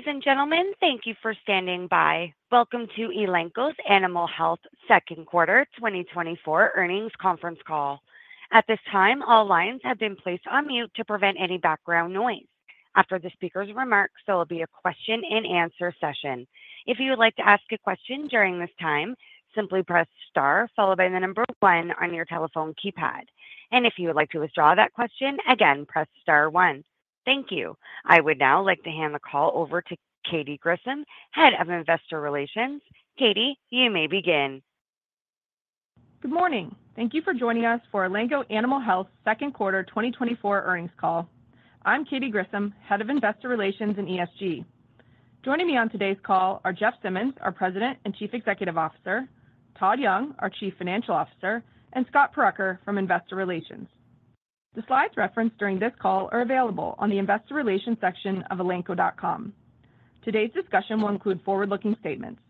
Ladies and gentlemen, thank you for standing by. Welcome to Elanco Animal Health's Q2 2024 Earnings Conference Call. At this time, all lines have been placed on mute to prevent any background noise. After the speaker's remarks, there will be a question-and-answer session. If you would like to ask a question during this time, simply press star followed by the number 1 on your telephone keypad. If you would like to withdraw that question, again, press star 1. Thank you. I would now like to hand the call over to Katy Grissom, Head of Investor Relations. Katy, you may begin. Good morning. Thank you for joining us for Elanco Animal Health Q2 2024 Earnings Call. I'm Katy Grissom, Head of Investor Relations in ESG. Joining me on today's call are Jeff Simmons, our President and Chief Executive Officer, Todd Young, our Chief Financial Officer, and Scott Pucker from Investor Relations. The slides referenced during this call are available on the investor relations section of elanco.com. Today's discussion will include forward-looking statements.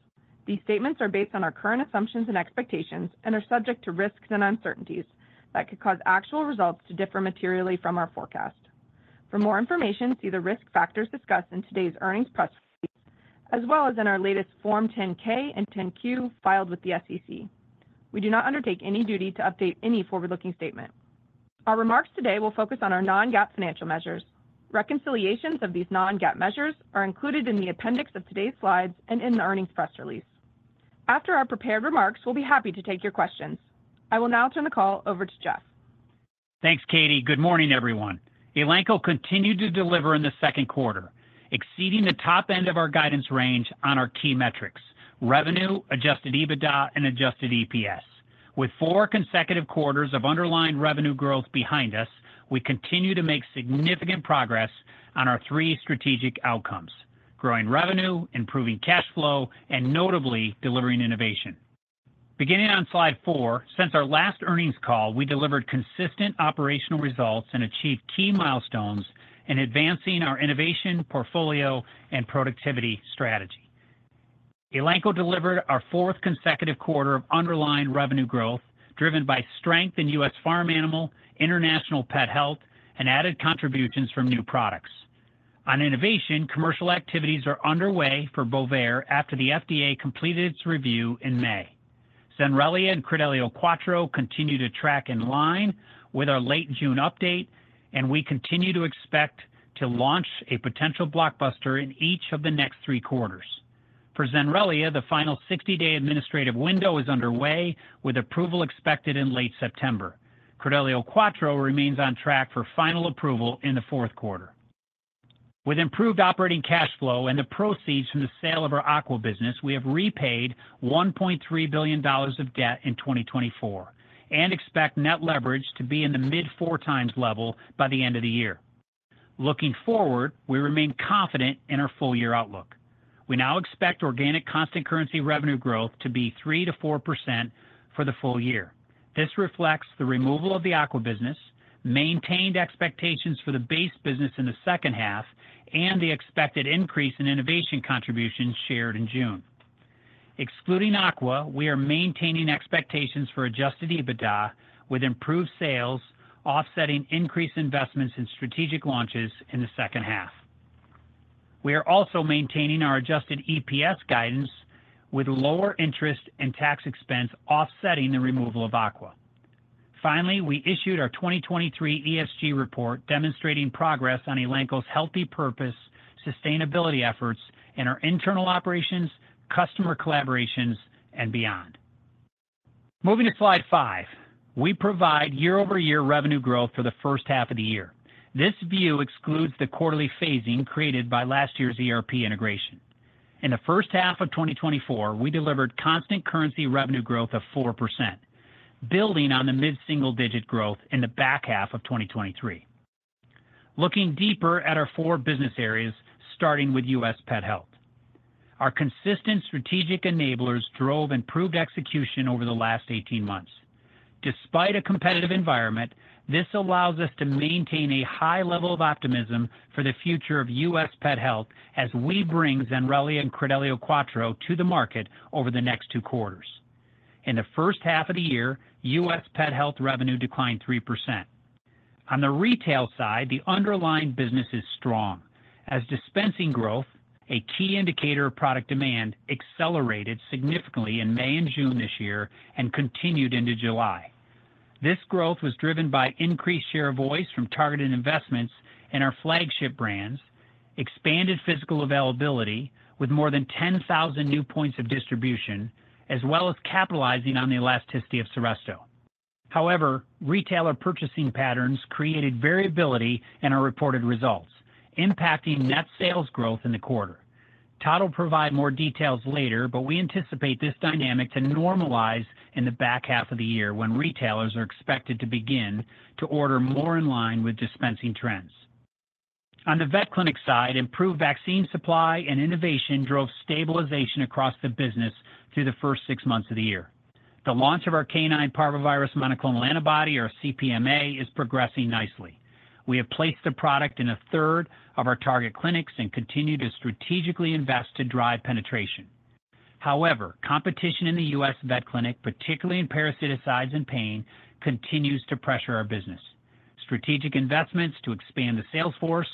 These statements are based on our current assumptions and expectations and are subject to risks and uncertainties that could cause actual results to differ materially from our forecast. For more information, see the risk factors discussed in today's earnings press release, as well as in our latest Form 10-K and 10-Q filed with the SEC. We do not undertake any duty to update any forward-looking statement. Our remarks today will focus on our non-GAAP financial measures. Reconciliations of these non-GAAP measures are included in the appendix of today's slides and in the earnings press release. After our prepared remarks, we'll be happy to take your questions. I will now turn the call over to Jeff. Thanks, Katy. Good morning, everyone. Elanco continued to deliver in the Q2, exceeding the top end of our guidance range on our key metrics: revenue, Adjusted EBITDA, and adjusted EPS. With four consecutive quarters of underlying revenue growth behind us, we continue to make significant progress on our three strategic outcomes: growing revenue, improving cash flow, and notably, delivering innovation. Beginning on slide four, since our last earnings call, we delivered consistent operational results and achieved key milestones in advancing our innovation, portfolio, and productivity strategy. Elanco delivered our fourth consecutive quarter of underlying revenue growth, driven by strength in U.S. Farm Animal, International Pet Health, and added contributions from new products. On innovation, commercial activities are underway for Bovaer after the FDA completed its review in May. Zenrelia and Credelio Quattro continue to track in line with our late June update, and we continue to expect to launch a potential blockbuster in each of the next three quarters. For Zenrelia, the final 60-day administrative window is underway, with approval expected in late September. Credelio Quattro remains on track for final approval in the Q4. With improved operating cash flow and the proceeds from the sale of our aqua business, we have repaid $1.3 billion of debt in 2024 and expect net leverage to be in the mid-4x level by the end of the year. Looking forward, we remain confident in our full-year outlook. We now expect organic constant currency revenue growth to be 3% to 4% for the full year. This reflects the removal of the aqua business, maintained expectations for the base business in the second half, and the expected increase in innovation contributions shared in June. Excluding aqua, we are maintaining expectations for Adjusted EBITDA, with improved sales offsetting increased investments in strategic launches in the second half. We are also maintaining our adjusted EPS guidance with lower interest and tax expense offsetting the removal of aqua. Finally, we issued our 2023 ESG report, demonstrating progress on Elanco's healthy purpose, sustainability efforts in our internal operations, customer collaborations, and beyond. Moving to slide 5, we provide year-over-year revenue growth for the first half of the year. This view excludes the quarterly phasing created by last year's ERP integration. In the first half of 2024, we delivered constant currency revenue growth of 4%, building on the mid-single-digit growth in the back half of 2023. Looking deeper at our four business areas, starting with U.S. Pet Health. Our consistent strategic enablers drove improved execution over the last 18 months. Despite a competitive environment, this allows us to maintain a high level of optimism for the future of U.S. Pet Health as we bring Zenrelia and Credelio Quattro to the market over the next 2 quarters. In the first half of the year, U.S. Pet Health revenue declined 3%. On the retail side, the underlying business is strong, as dispensing growth, a key indicator of product demand, accelerated significantly in May and June this year and continued into July. This growth was driven by increased share of voice from targeted investments in our flagship brands, expanded physical availability with more than 10,000 new points of distribution, as well as capitalizing on the elasticity of Seresto. However, retailer purchasing patterns created variability in our reported results, impacting net sales growth in the quarter. Todd will provide more details later, but we anticipate this dynamic to normalize in the back half of the year when retailers are expected to begin to order more in line with dispensing trends. On the vet clinic side, improved vaccine supply and innovation drove stabilization across the business through the first six months of the year. The launch of our Canine Parvovirus Monoclonal Antibody, or CPMA, is progressing nicely. We have placed the product in a third of our target clinics and continue to strategically invest to drive penetration.... However, competition in the U.S. vet clinic, particularly in parasiticides and pain, continues to pressure our business. Strategic investments to expand the sales force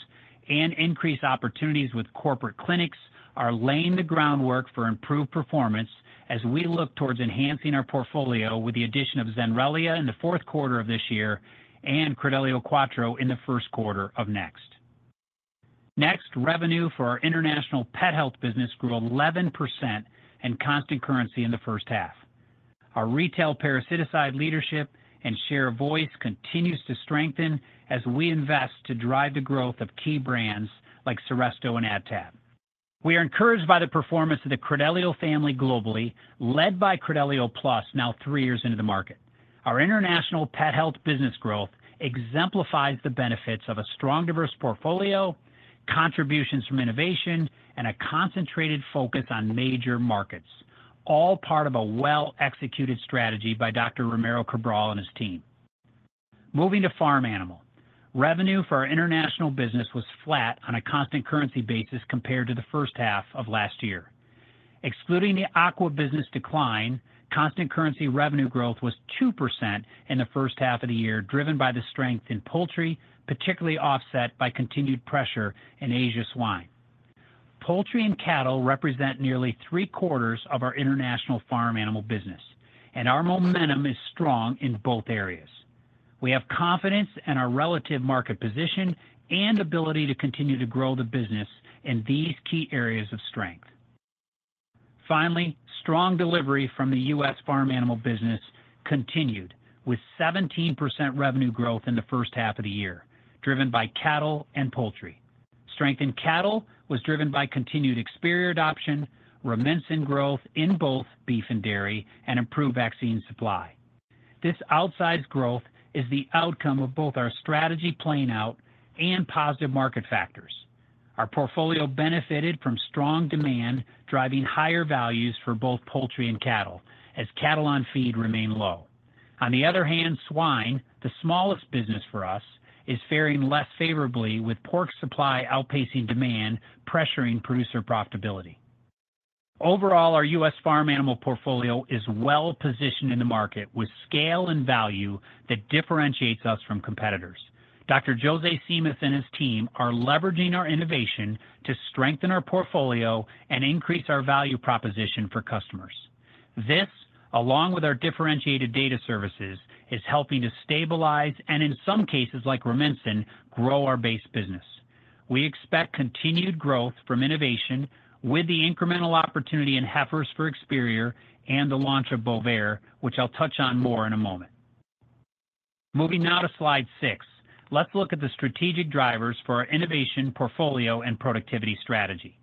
and increase opportunities with corporate clinics are laying the groundwork for improved performance as we look towards enhancing our portfolio with the addition of Zenrelia in the Q4 of this year and Credelio Quattro in the Q1 of next. Next, revenue for our International Pet Health business grew 11% in constant currency in the first half. Our retail parasiticide leadership and share voice continues to strengthen as we invest to drive the growth of key brands like Seresto and AdTab. We are encouraged by the performance of the Credelio family globally, led by Credelio Plus, now 3 years into the market. Our International Pet Health business growth exemplifies the benefits of a strong, diverse portfolio, contributions from innovation, and a concentrated focus on major markets, all part of a well-executed strategy by Dr. Ramiro Cabral and his team. Moving to farm animal. Revenue for our international business was flat on a constant currency basis compared to the first half of last year. Excluding the aqua business decline, constant currency revenue growth was 2% in the first half of the year, driven by the strength in poultry, particularly offset by continued pressure in Asia swine. Poultry and cattle represent nearly three-quarters of our International Farm Animal business, and our momentum is strong in both areas. We have confidence in our relative market position and ability to continue to grow the business in these key areas of strength. Finally, strong delivery from the U.S. Farm Animal business continued, with 17% revenue growth in the first half of the year, driven by cattle and poultry. Strength in cattle was driven by continued Experior adoption, Rumensin growth in both beef and dairy, and improved vaccine supply. This outsized growth is the outcome of both our strategy playing out and positive market factors. Our portfolio benefited from strong demand, driving higher values for both poultry and cattle, as cattle on feed remained low. On the other hand, swine, the smallest business for us, is faring less favorably, with pork supply outpacing demand, pressuring producer profitability. Overall, our U.S. Farm Animal portfolio is well-positioned in the market, with scale and value that differentiates us from competitors. Dr. Jose Simas and his team are leveraging our innovation to strengthen our portfolio and increase our value proposition for customers. This, along with our differentiated data services, is helping to stabilize, and in some cases, like Rumensin, grow our base business. We expect continued growth from innovation with the incremental opportunity in heifers for Experior and the launch of Bovaer, which I'll touch on more in a moment. Moving now to slide 6. Let's look at the strategic drivers for our innovation, portfolio, and productivity strategy.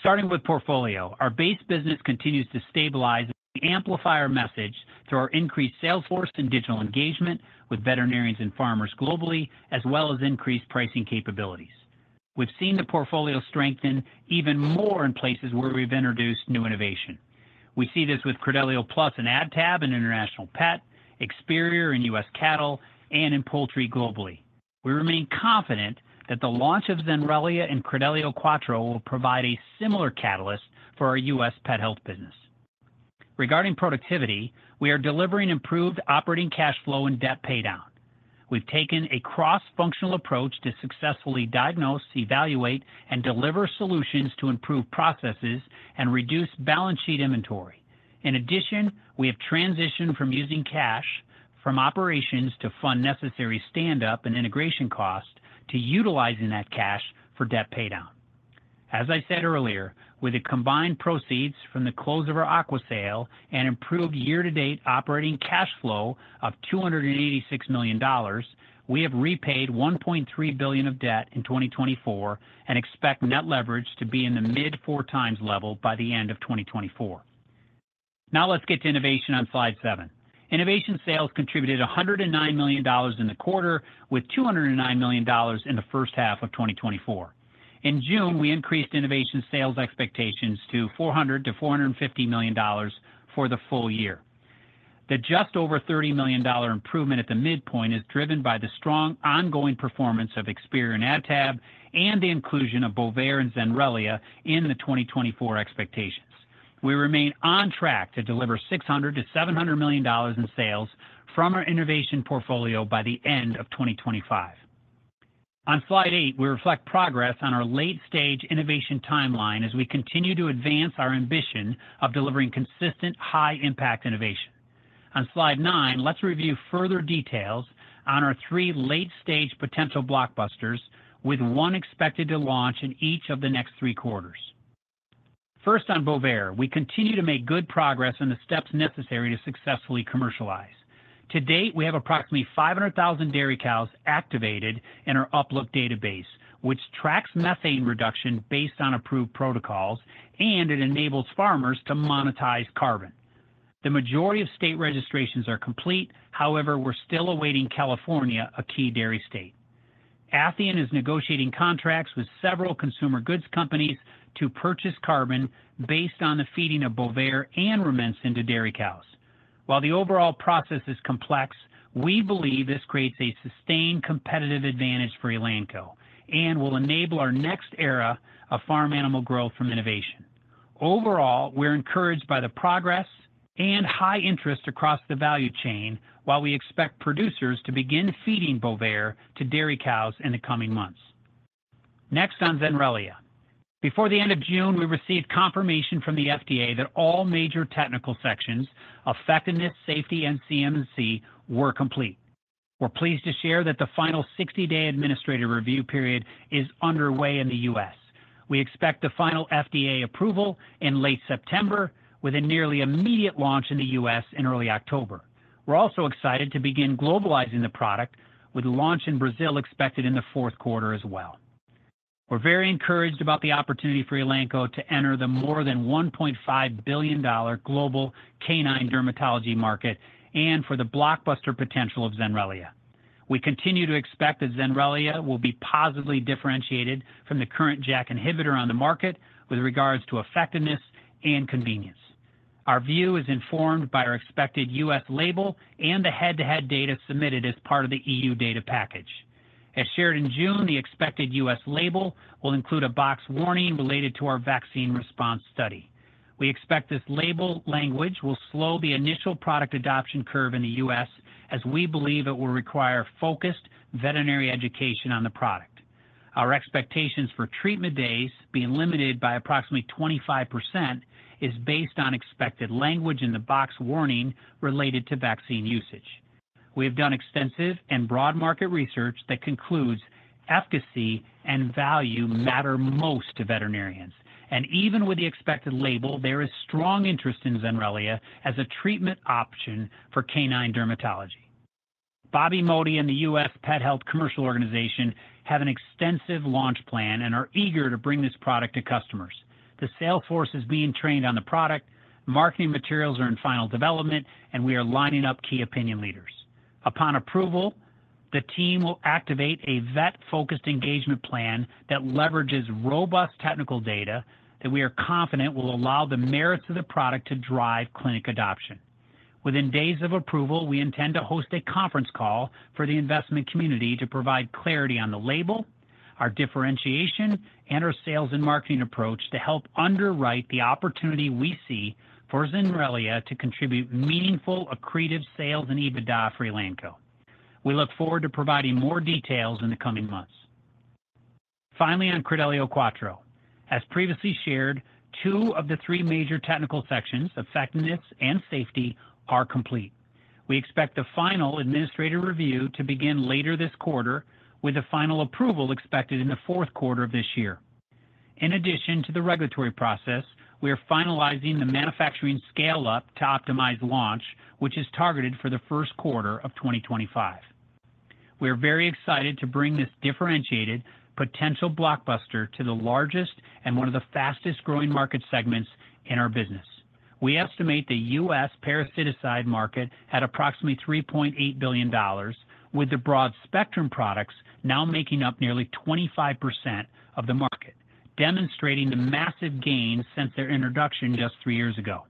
Starting with portfolio, our base business continues to stabilize as we amplify our message through our increased sales force and digital engagement with veterinarians and farmers globally, as well as increased pricing capabilities. We've seen the portfolio strengthen even more in places where we've introduced new innovation. We see this with Credelio Plus and AdTab in international pet, Experior in U.S. Cattle, and in poultry globally. We remain confident that the launch of Zenrelia and Credelio Quattro will provide a similar catalyst for our U.S. pet health business. Regarding productivity, we are delivering improved operating cash flow and debt paydown. We've taken a cross-functional approach to successfully diagnose, evaluate, and deliver solutions to improve processes and reduce balance sheet inventory. In addition, we have transitioned from using cash from operations to fund necessary stand-up and integration costs to utilizing that cash for debt paydown. As I said earlier, with the combined proceeds from the close of our aqua sale and improved year-to-date operating cash flow of $286 million, we have repaid $1.3 billion of debt in 2024 and expect net leverage to be in the mid-4x level by the end of 2024. Now let's get to innovation on slide seven. Innovation sales contributed $109 million in the quarter, with $209 million in the first half of 2024. In June, we increased innovation sales expectations to $400 million-$450 million for the full year. The just over $30 million improvement at the midpoint is driven by the strong ongoing performance of Experior and AdTab and the inclusion of Bovaer and Zenrelia in the 2024 expectations. We remain on track to deliver $600 million-$700 million in sales from our innovation portfolio by the end of 2025. On slide 8, we reflect progress on our late-stage innovation timeline as we continue to advance our ambition of delivering consistent, high-impact innovation. On slide 9, let's review further details on our three late-stage potential blockbusters, with one expected to launch in each of the next three quarters. First, on Bovaer. We continue to make good progress on the steps necessary to successfully commercialize. To date, we have approximately 500,000 dairy cows activated in our UpLook database, which tracks methane reduction based on approved protocols, and it enables farmers to monetize carbon. The majority of state registrations are complete. However, we're still awaiting California, a key dairy state. Elanco is negotiating contracts with several consumer goods companies to purchase carbon based on the feeding of Bovaer and Rumensin to dairy cows. While the overall process is complex, we believe this creates a sustained competitive advantage for Elanco and will enable our next era of farm animal growth from innovation. Overall, we're encouraged by the progress and high interest across the value chain, while we expect producers to begin feeding Bovaer to dairy cows in the coming months. Next, on Zenrelia. Before the end of June, we received confirmation from the FDA that all major technical sections, effectiveness, safety, and CMC, were complete. We're pleased to share that the final 60-day administrative review period is underway in the U.S. We expect the final FDA approval in late September, with a nearly immediate launch in the U.S. in early October. We're also excited to begin globalizing the product, with launch in Brazil expected in the Q4 as well. We're very encouraged about the opportunity for Elanco to enter the more than $1.5 billion global canine dermatology market and for the blockbuster potential of Zenrelia. We continue to expect that Zenrelia will be positively differentiated from the current JAK inhibitor on the market with regards to effectiveness and convenience. Our view is informed by our expected U.S. label and the head-to-head data submitted as part of the E.U. data package. As shared in June, the expected U.S. label will include a box warning related to our vaccine response study. We expect this label language will slow the initial product adoption curve in the U.S., as we believe it will require focused veterinary education on the product. Our expectations for treatment days being limited by approximately 25% is based on expected language in the box warning related to vaccine usage. We have done extensive and broad market research that concludes efficacy and value matter most to veterinarians, and even with the expected label, there is strong interest in Zenrelia as a treatment option for canine dermatology. Bobby Modi and the U.S. Pet Health Commercial organization have an extensive launch plan and are eager to bring this product to customers. The sales force is being trained on the product, marketing materials are in final development, and we are lining up key opinion leaders. Upon approval, the team will activate a vet-focused engagement plan that leverages robust technical data that we are confident will allow the merits of the product to drive clinic adoption. Within days of approval, we intend to host a conference call for the investment community to provide clarity on the label, our differentiation, and our sales and marketing approach to help underwrite the opportunity we see for Zenrelia to contribute meaningful accretive sales and EBITDA for Elanco. We look forward to providing more details in the coming months. Finally, on Credelio Quattro. As previously shared, two of the three major technical sections, effectiveness and safety, are complete. We expect the final administrative review to begin later this quarter, with a final approval expected in the Q4 of this year. In addition to the regulatory process, we are finalizing the manufacturing scale-up to optimize launch, which is targeted for the Q1 of 2025. We are very excited to bring this differentiated potential blockbuster to the largest and one of the fastest-growing market segments in our business. We estimate the U.S. parasiticide market at approximately $3.8 billion, with the broad-spectrum products now making up nearly 25% of the market, demonstrating the massive gains since their introduction just 3 years ago.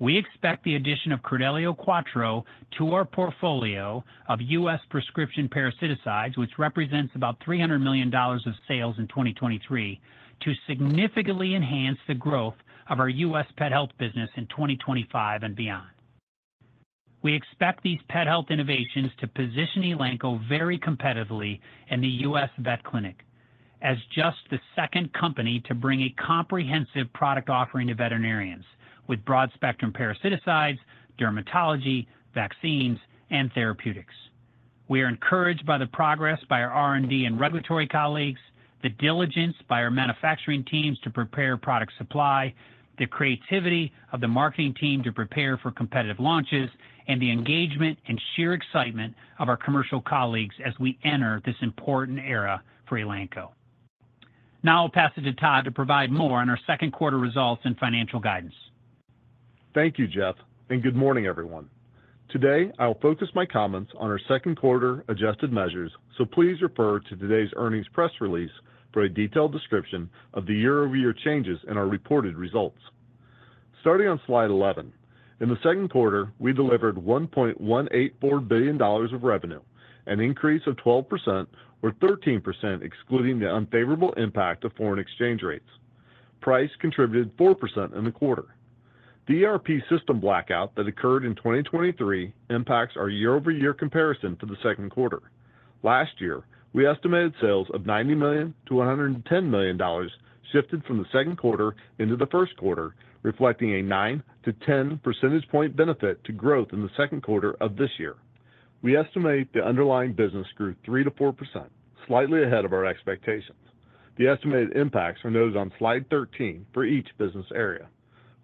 We expect the addition of Credelio Quattro to our portfolio of U.S. prescription parasiticides, which represents about $300 million of sales in 2023, to significantly enhance the growth of our U.S. Pet Health business in 2025 and beyond. We expect these Pet Health innovations to position Elanco very competitively in the U.S. vet clinic as just the second company to bring a comprehensive product offering to veterinarians with broad-spectrum parasiticides, dermatology, vaccines, and therapeutics. We are encouraged by the progress by our R&D and regulatory colleagues, the diligence by our manufacturing teams to prepare product supply, the creativity of the marketing team to prepare for competitive launches, and the engagement and sheer excitement of our commercial colleagues as we enter this important era for Elanco. Now I'll pass it to Todd to provide more on our Q2 results and financial guidance. Thank you, Jeff, and good morning, everyone. Today, I will focus my comments on our Q2 adjusted measures, so please refer to today's earnings press release for a detailed description of the year-over-year changes in our reported results. Starting on slide 11. In the Q2, we delivered $1.184 billion of revenue, an increase of 12% or 13%, excluding the unfavorable impact of foreign exchange rates. Price contributed 4% in the quarter. The ERP system blackout that occurred in 2023 impacts our year-over-year comparison to the Q2. Last year, we estimated sales of $90 million-$110 million shifted from the Q2 into the Q1, reflecting a 9-10 percentage point benefit to growth in the Q2 of this year. We estimate the underlying business grew 3% to 4%, slightly ahead of our expectations. The estimated impacts are those on slide 13 for each business area.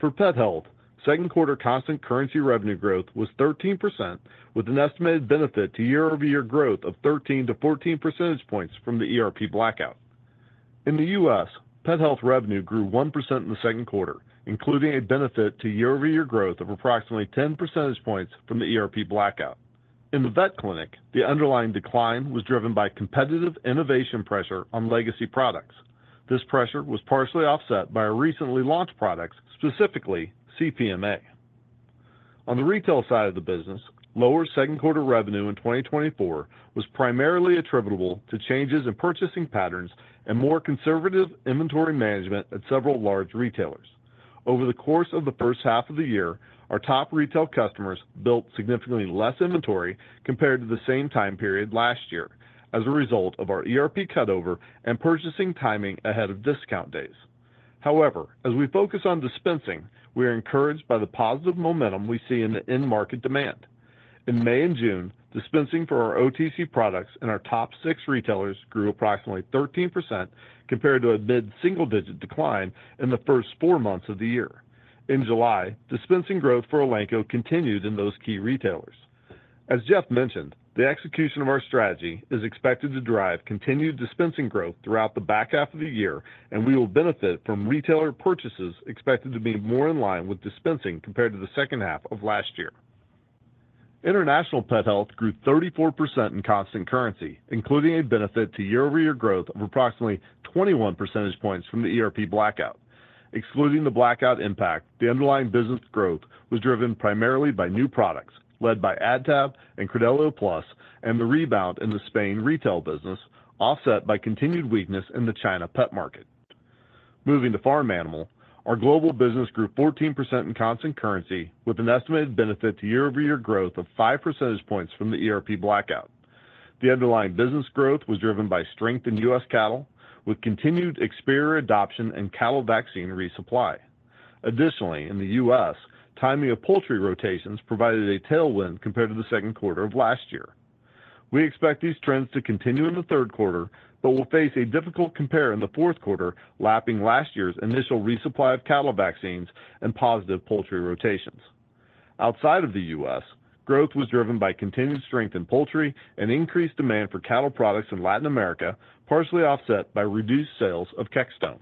For Pet Health, Q2 constant currency revenue growth was 13%, with an estimated benefit to year-over-year growth of 13% to 14% points from the ERP blackout. In the U.S., Pet Health revenue grew 1% in the Q2, including a benefit to year-over-year growth of approximately 10 percentage points from the ERP blackout. In the vet clinic, the underlying decline was driven by competitive innovation pressure on legacy products. This pressure was partially offset by our recently launched products, specifically CPMA. On the retail side of the business, lower Q2 revenue in 2024 was primarily attributable to changes in purchasing patterns and more conservative inventory management at several large retailers. Over the course of the first half of the year, our top retail customers built significantly less inventory compared to the same time period last year as a result of our ERP cutover and purchasing timing ahead of discount days. However, as we focus on dispensing, we are encouraged by the positive momentum we see in the end market demand. In May and June, dispensing for our OTC products in our top six retailers grew approximately 13% compared to a mid-single-digit decline in the first four months of the year. In July, dispensing growth for Elanco continued in those key retailers. As Jeff mentioned, the execution of our strategy is expected to drive continued dispensing growth throughout the back half of the year, and we will benefit from retailer purchases expected to be more in line with dispensing compared to the second half of last year. International pet health grew 34% in constant currency, including a benefit to year-over-year growth of approximately 21 percentage points from the ERP blackout. Excluding the blackout impact, the underlying business growth was driven primarily by new products, led by AdTab and Credelio Plus and the rebound in the Spain retail business, offset by continued weakness in the China pet market. Moving to farm animal, our global business grew 14% in constant currency, with an estimated benefit to year-over-year growth of 5 percentage points from the ERP blackout. The underlying business growth was driven by strength in U.S. cattle, with continued Experior adoption and cattle vaccine resupply. Additionally, in the U.S., timing of poultry rotations provided a tailwind compared to the Q2 of last year. We expect these trends to continue in the Q3, but will face a difficult compare in the Q4, lapping last year's initial resupply of cattle vaccines and positive poultry rotations. Outside of the U.S., growth was driven by continued strength in poultry and increased demand for cattle products in Latin America, partially offset by reduced sales of Kexxtone.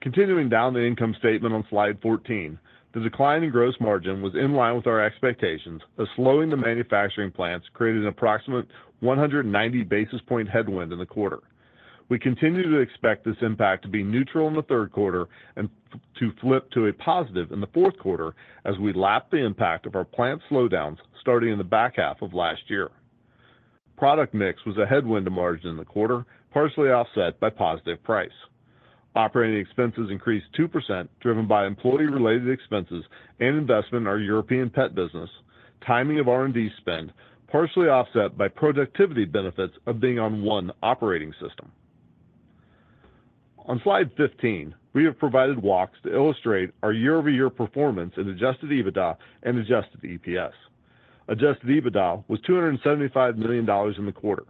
Continuing down the income statement on slide 14, the decline in gross margin was in line with our expectations, as slowing the manufacturing plants created an approximate 190 basis points headwind in the quarter. We continue to expect this impact to be neutral in the Q3 and to flip to a positive in the Q4 as we lap the impact of our plant slowdowns starting in the back half of last year. Product mix was a headwind to margin in the quarter, partially offset by positive price. Operating expenses increased 2%, driven by employee-related expenses and investment in our European pet business, timing of R&D spend, partially offset by productivity benefits of being on one operating system. On slide 15, we have provided walks to illustrate our year-over-year performance in Adjusted EBITDA and Adjusted EPS. Adjusted EBITDA was $275 million in the quarter.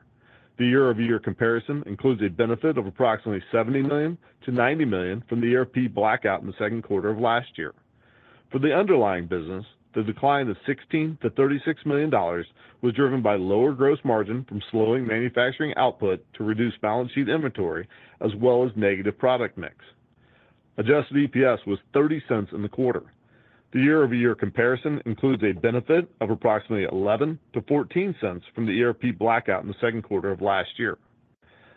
The year-over-year comparison includes a benefit of approximately $70 million-$90 million from the ERP blackout in the Q2 of last year. For the underlying business, the decline of $16 million-$36 million was driven by lower gross margin from slowing manufacturing output to reduce balance sheet inventory, as well as negative product mix. Adjusted EPS was $0.30 in the quarter. The year-over-year comparison includes a benefit of approximately $0.11-$0.14 from the ERP blackout in the Q2 of last year.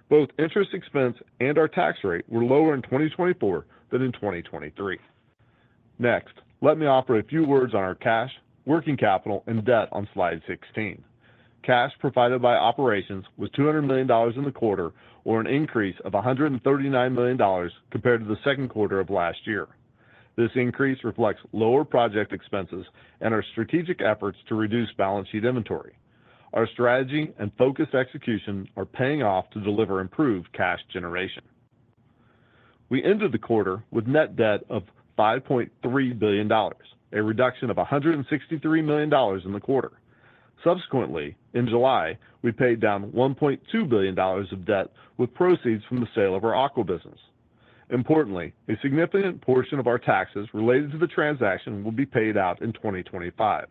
Both interest expense and our tax rate were lower in 2024 than in 2023. Next, let me offer a few words on our cash, working capital, and debt on slide 16. Cash provided by operations was $200 million in the quarter, or an increase of $139 million compared to the Q2 of last year. This increase reflects lower project expenses and our strategic efforts to reduce balance sheet inventory. Our strategy and focused execution are paying off to deliver improved cash generation. We ended the quarter with net debt of $5.3 billion, a reduction of $163 million in the quarter. Subsequently, in July, we paid down $1.2 billion of debt with proceeds from the sale of our aqua business. Importantly, a significant portion of our taxes related to the transaction will be paid out in 2025.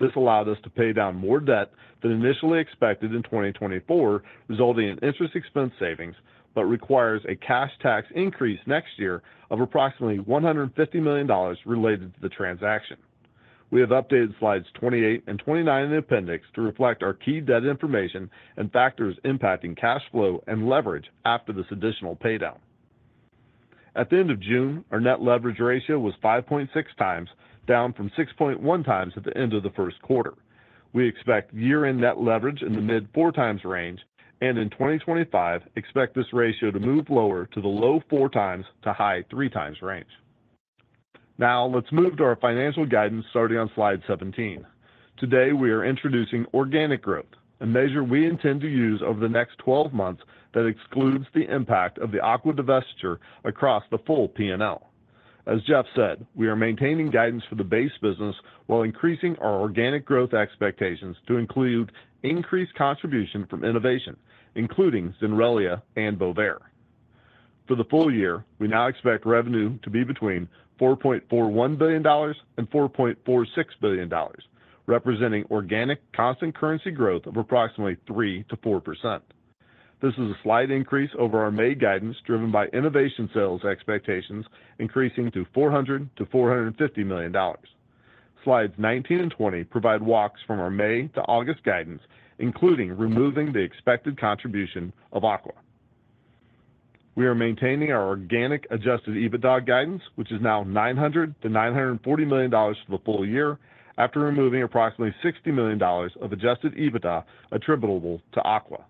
This allowed us to pay down more debt than initially expected in 2024, resulting in interest expense savings, but requires a cash tax increase next year of approximately $150 million related to the transaction. We have updated slides 28 and 29 in the appendix to reflect our key debt information and factors impacting cash flow and leverage after this additional paydown. At the end of June, our net leverage ratio was 5.6 times, down from 6.1 times at the end of the Q1. We expect year-end net leverage in the mid-4x range, and in 2025, expect this ratio to move lower to the low-4x to high-3x range. Now, let's move to our financial guidance, starting on slide 17. Today, we are introducing organic growth, a measure we intend to use over the next 12 months that excludes the impact of the aqua divestiture across the full PNL. As Jeff said, we are maintaining guidance for the base business while increasing our organic growth expectations to include increased contribution from innovation, including Zenrelia and Bovaer. For the full year, we now expect revenue to be between $4.41 billion and $4.46 billion, representing organic constant currency growth of approximately 3% to 4%. This is a slight increase over our May guidance, driven by innovation sales expectations, increasing to $400 million-$450 million. Slides 19 and 20 provide walks from our May to August guidance, including removing the expected contribution of Aqua. We are maintaining our organic Adjusted EBITDA guidance, which is now $900 million-$940 million for the full year, after removing approximately $60 million of Adjusted EBITDA attributable to Aqua.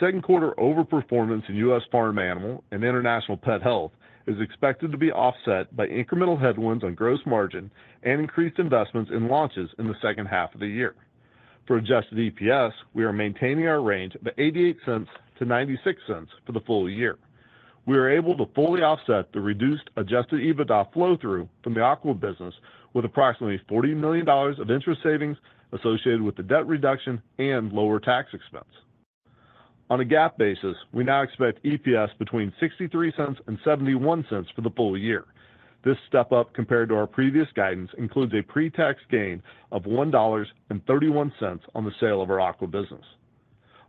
Q2 overperformance in U.S. Farm Animal and International Pet Health is expected to be offset by incremental headwinds on gross margin and increased investments in launches in the second half of the year. For adjusted EPS, we are maintaining our range of $0.88-$0.96 for the full year. We are able to fully offset the reduced Adjusted EBITDA flow-through from the Aqua business with approximately $40 million of interest savings associated with the debt reduction and lower tax expense. On a GAAP basis, we now expect EPS between $0.63 and $0.71 for the full year. This step-up compared to our previous guidance includes a pretax gain of $1.31 on the sale of our Aqua business.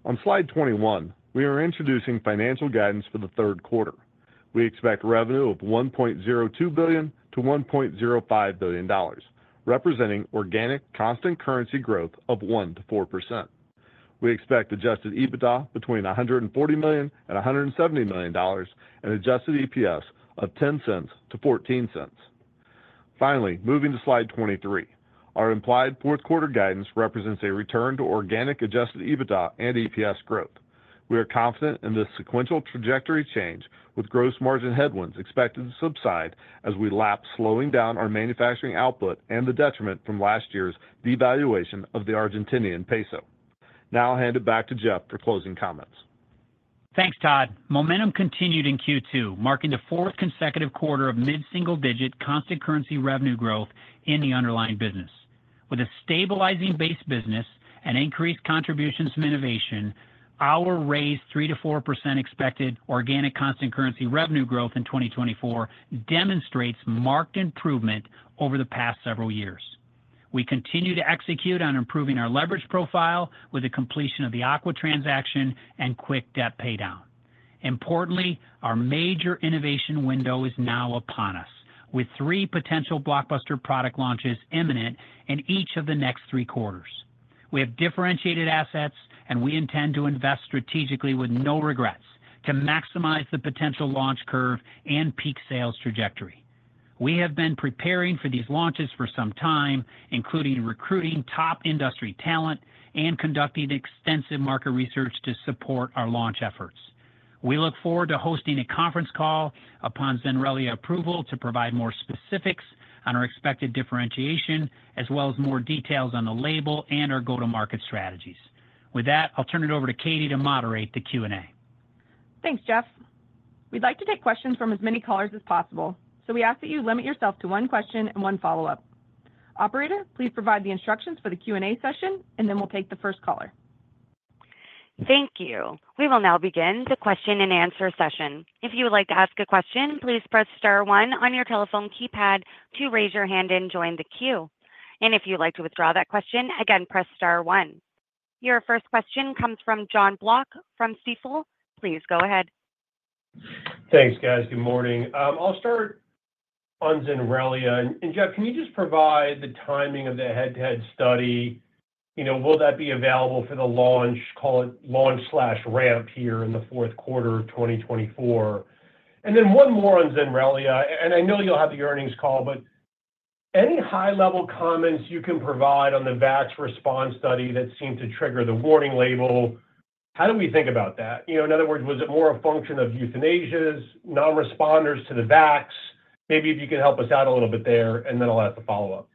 On Slide 21, we are introducing financial guidance for the Q3. We expect revenue of $1.02 billion-$1.05 billion, representing organic constant currency growth of 1% to 4%. We expect Adjusted EBITDA between $140 million and $170 million and adjusted EPS of $0.10-$0.14. Finally, moving to slide 23, our implied Q4 guidance represents a return to organic Adjusted EBITDA and EPS growth. We are confident in this sequential trajectory change, with gross margin headwinds expected to subside as we lap, slowing down our manufacturing output and the detriment from last year's devaluation of the Argentinian peso. Now I'll hand it back to Jeff for closing comments. Thanks, Todd. Momentum continued in Q2, marking the fourth consecutive quarter of mid-single-digit constant currency revenue growth in the underlying business. With a stabilizing base business and increased contributions from innovation, our raised 3% to 4% expected organic constant currency revenue growth in 2024 demonstrates marked improvement over the past several years. We continue to execute on improving our leverage profile with the completion of the Aqua transaction and quick debt paydown. Importantly, our major innovation window is now upon us, with three potential blockbuster product launches imminent in each of the next three quarters. We have differentiated assets, and we intend to invest strategically with no regrets to maximize the potential launch curve and peak sales trajectory. We have been preparing for these launches for some time, including recruiting top industry talent and conducting extensive market research to support our launch efforts. We look forward to hosting a conference call upon Zenrelia approval to provide more specifics on our expected differentiation, as well as more details on the label and our go-to-market strategies. With that, I'll turn it over to Katy to moderate the Q&A. Thanks, Jeff. We'd like to take questions from as many callers as possible, so we ask that you limit yourself to one question and one follow-up. Operator, please provide the instructions for the Q&A session, and then we'll take the first caller. Thank you. We will now begin the question-and-answer session. If you would like to ask a question, please press star one on your telephone keypad to raise your hand and join the queue. And if you'd like to withdraw that question again, press star one. Your first question comes from Jon Block from Stifel. Please go ahead. Thanks, guys. Good morning. I'll start on Zenrelia. And, Jeff, can you just provide the timing of the head-to-head study? You know, will that be available for the launch, call it, launch/ramp here in the Q4 of 2024? And then one more on Zenrelia, and I know you'll have the earnings call, but any high-level comments you can provide on the Vax response study that seemed to trigger the warning label, how do we think about that? You know, in other words, was it more a function of euthanasias, nonresponders to the vax? Maybe if you could help us out a little bit there, and then I'll ask a follow-up.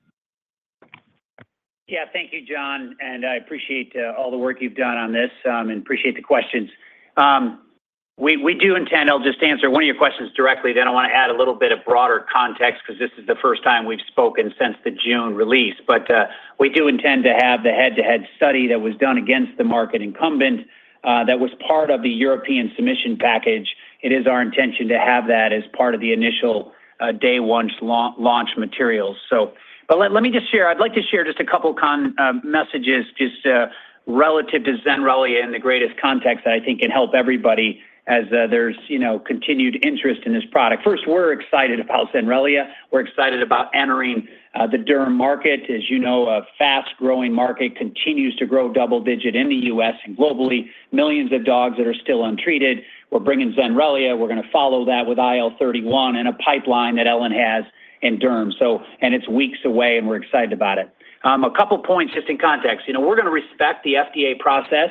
Yeah. Thank you, John, and I appreciate all the work you've done on this, and appreciate the questions. We do intend... I'll just answer one of your questions directly, then I want to add a little bit of broader context because this is the first time we've spoken since the June release. But we do intend to have the head-to-head study that was done against the market incumbent that was part of the European submission package. It is our intention to have that as part of the initial day one launch materials. But let me just share... I'd like to share just a couple messages, just relative to Zenrelia in the greatest context that I think can help everybody as there's, you know, continued interest in this product. First, we're excited about Zenrelia. We're excited about entering the dermatology market. As you know, a fast-growing market continues to grow double-digit in the U.S. and globally, millions of dogs that are still untreated. We're bringing Zenrelia. We're going to follow that with IL-31 and a pipeline that Elanco has in dermatology. So it's weeks away, and we're excited about it. A couple points, just in context. You know, we're going to respect the FDA process.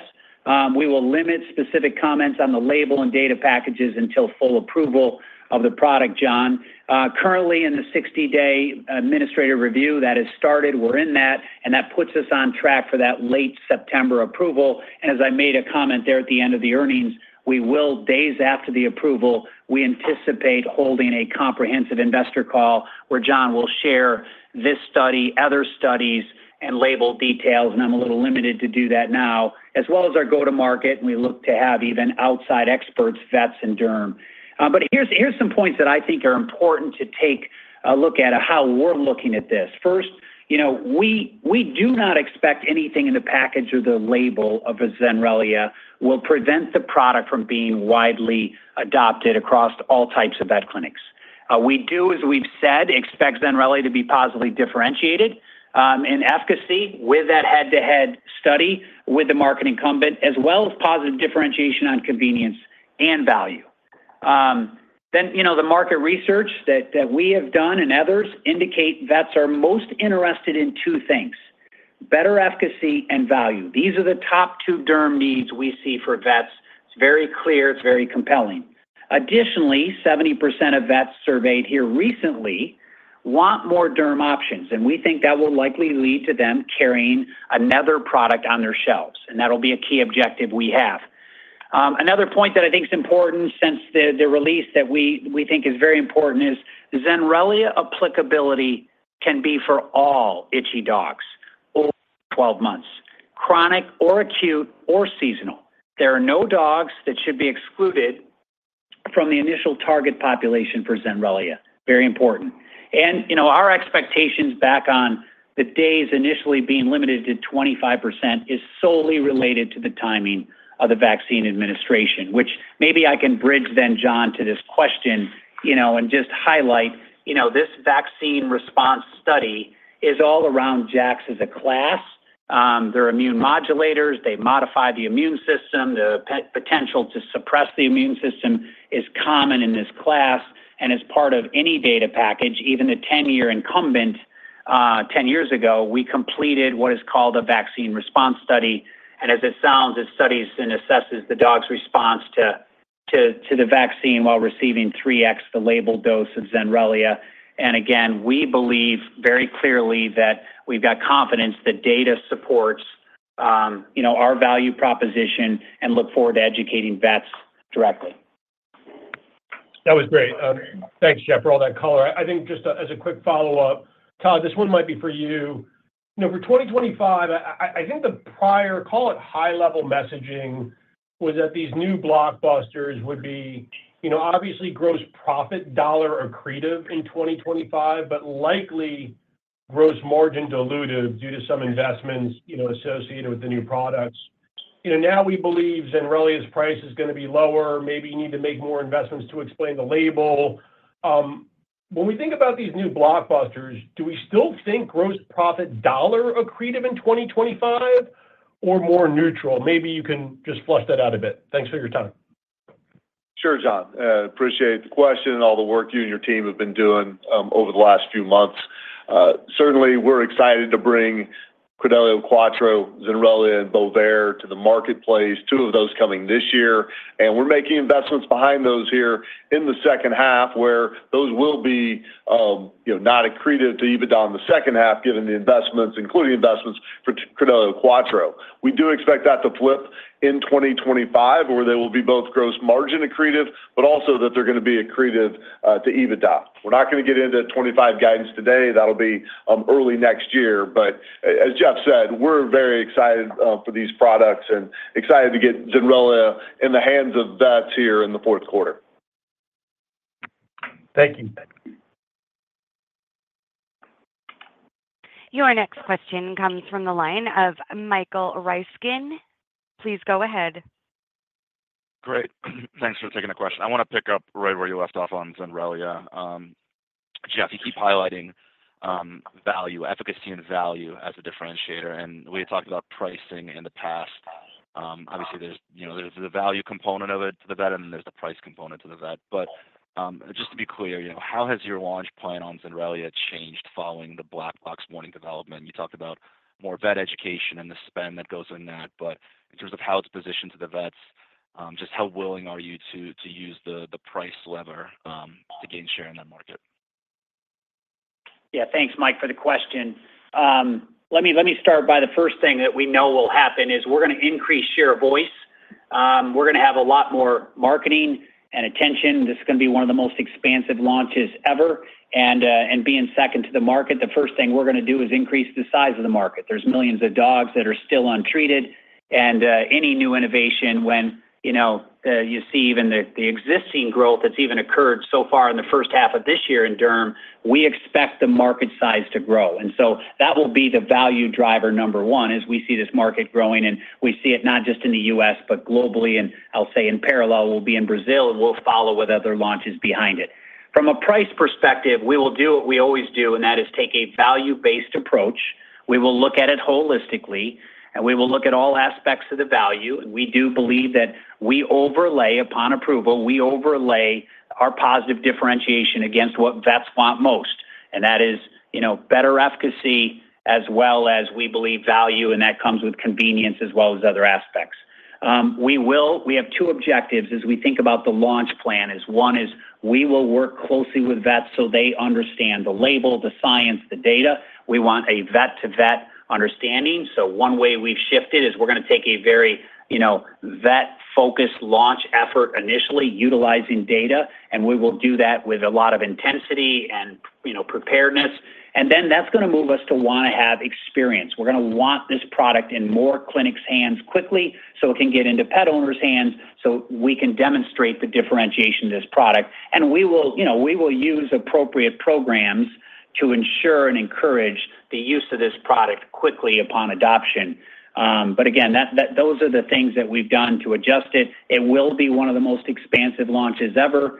We will limit specific comments on the label and data packages until full approval of the product, John. Currently, in the 60-day administrative review that has started, we're in that, and that puts us on track for that late September approval. As I made a comment there at the end of the earnings, we will, days after the approval, we anticipate holding a comprehensive investor call, where John will share this study, other studies, and label details, and I'm a little limited to do that now, as well as our go-to-market, and we look to have even outside experts, vets, and derms. But here's some points that I think are important to take a look at how we're looking at this. First, you know, we do not expect anything in the package or the label of a Zenrelia will prevent the product from being widely adopted across all types of vet clinics. We do, as we've said, expect Zenrelia to be positively differentiated in efficacy with that head-to-head study with the market incumbent, as well as positive differentiation on convenience and value. Then, you know, the market research that, that we have done and others indicate vets are most interested in two things: better efficacy and value. These are the top two derm needs we see for vets. It's very clear, it's very compelling. Additionally, 70% of vets surveyed here recently want more derm options, and we think that will likely lead to them carrying another product on their shelves, and that'll be a key objective we have. Another point that I think is important since the, the release that we, we think is very important is Zenrelia applicability can be for all itchy dogs over 12 months, chronic or acute or seasonal. There are no dogs that should be excluded from the initial target population for Zenrelia. Very important. You know, our expectations back on the days initially being limited to 25% is solely related to the timing of the vaccine administration, which maybe I can bridge then, John, to this question, you know, and just highlight, you know, this vaccine response study is all around JAKs as a class. They're immune modulators, they modify the immune system. The potential to suppress the immune system is common in this class, and as part of any data package, even a 10-year incumbent, 10 years ago, we completed what is called a vaccine response study. And as it sounds, it studies and assesses the dog's response to the vaccine while receiving 3x the label dose of Zenrelia. And again, we believe very clearly that we've got confidence that data supports, you know, our value proposition and look forward to educating vets directly. That was great. Thanks, Jeff, for all that color. I think just as a quick follow-up, Todd, this one might be for you. You know, for 2025, I think the prior, call it high-level messaging, was that these new blockbusters would be, you know, obviously, gross profit dollar accretive in 2025, but likely, gross margin dilutive due to some investments, you know, associated with the new products. You know, now we believe Zenrelia's price is gonna be lower, maybe you need to make more investments to explain the label. When we think about these new blockbusters, do we still think gross profit dollar accretive in 2025 or more neutral? Maybe you can just flesh that out a bit. Thanks for your time. Sure, John. Appreciate the question and all the work you and your team have been doing over the last few months. Certainly, we're excited to bring Credelio Quattro, Zenrelia, and Bovaer to the marketplace, two of those coming this year. And we're making investments behind those here in the second half, where those will be, you know, not accretive to EBITDA in the second half, given the investments, including investments for Credelio Quattro. We do expect that to flip in 2025, where they will be both gross margin accretive, but also that they're gonna be accretive to EBITDA. We're not gonna get into 25 guidance today. That'll be early next year. But as Jeff said, we're very excited for these products and excited to get Zenrelia in the hands of vets here in the Q4. Thank you. Your next question comes from the line of Michael Ryskin. Please go ahead. Great. Thanks for taking the question. I wanna pick up right where you left off on Zenrelia. Jeff, you keep highlighting value, efficacy and value as a differentiator, and we had talked about pricing in the past. Obviously, there's, you know, there's the value component of it to the vet, and then there's the price component to the vet. But, just to be clear, you know, how has your launch plan on Zenrelia changed following the black box warning development? You talked about more vet education and the spend that goes in that, but in terms of how it's positioned to the vets, just how willing are you to, to use the, the price lever, to gain share in that market? Yeah. Thanks, Mike, for the question. Let me start by the first thing that we know will happen is we're gonna increase share of voice. We're gonna have a lot more marketing and attention. This is gonna be one of the most expansive launches ever. And, and being second to the market, the first thing we're gonna do is increase the size of the market. There's millions of dogs that are still untreated, and, any new innovation, when, you know, you see even the existing growth that's even occurred so far in the first half of this year in Derm, we expect the market size to grow. And so that will be the value driver number one, is we see this market growing, and we see it not just in the U.S., but globally. And I'll say in parallel, we'll be in Brazil, and we'll follow with other launches behind it. From a price perspective, we will do what we always do, and that is take a value-based approach. We will look at it holistically, and we will look at all aspects of the value, and we do believe that we overlay... Upon approval, we overlay our positive differentiation against what vets want most. And that is, you know, better efficacy, as well as we believe, value, and that comes with convenience as well as other aspects. We will—we have two objectives as we think about the launch plan. One is, we will work closely with vets so they understand the label, the science, the data. We want a vet-to-vet understanding, so one way we've shifted is we're gonna take a very, you know, vet-focused launch effort, initially utilizing data, and we will do that with a lot of intensity and, you know, preparedness. Then, that's gonna move us to wanna have experience. We're gonna want this product in more clinics' hands quickly, so it can get into pet owners' hands, so we can demonstrate the differentiation of this product. And we will, you know, we will use appropriate programs to ensure and encourage the use of this product quickly upon adoption. But again, that, that, those are the things that we've done to adjust it. It will be one of the most expansive launches ever.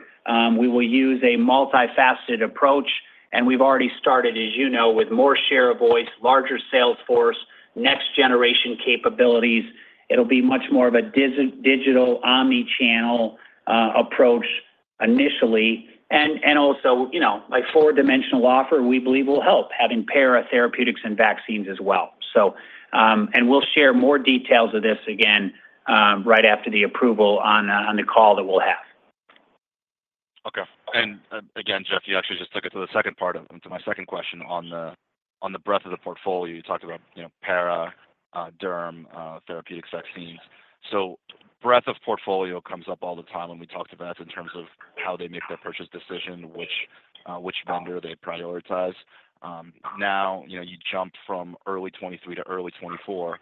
We will use a multifaceted approach, and we've already started, as you know, with more share of voice, larger sales force, next-generation capabilities. It'll be much more of a digital omni-channel approach initially, and also, you know, my four-dimensional offer, we believe, will help, having parasite therapeutics and vaccines as well. So, and we'll share more details of this again, right after the approval on the call that we'll have. Okay. Again, Jeff, you actually just took it to the second part of my second question on the breadth of the portfolio. You talked about, you know, para, derm, therapeutics, vaccines. So breadth of portfolio comes up all the time when we talk to vets in terms of how they make their purchase decision, which vendor they prioritize. Now, you know, you jumped from early 2023 to early 2024,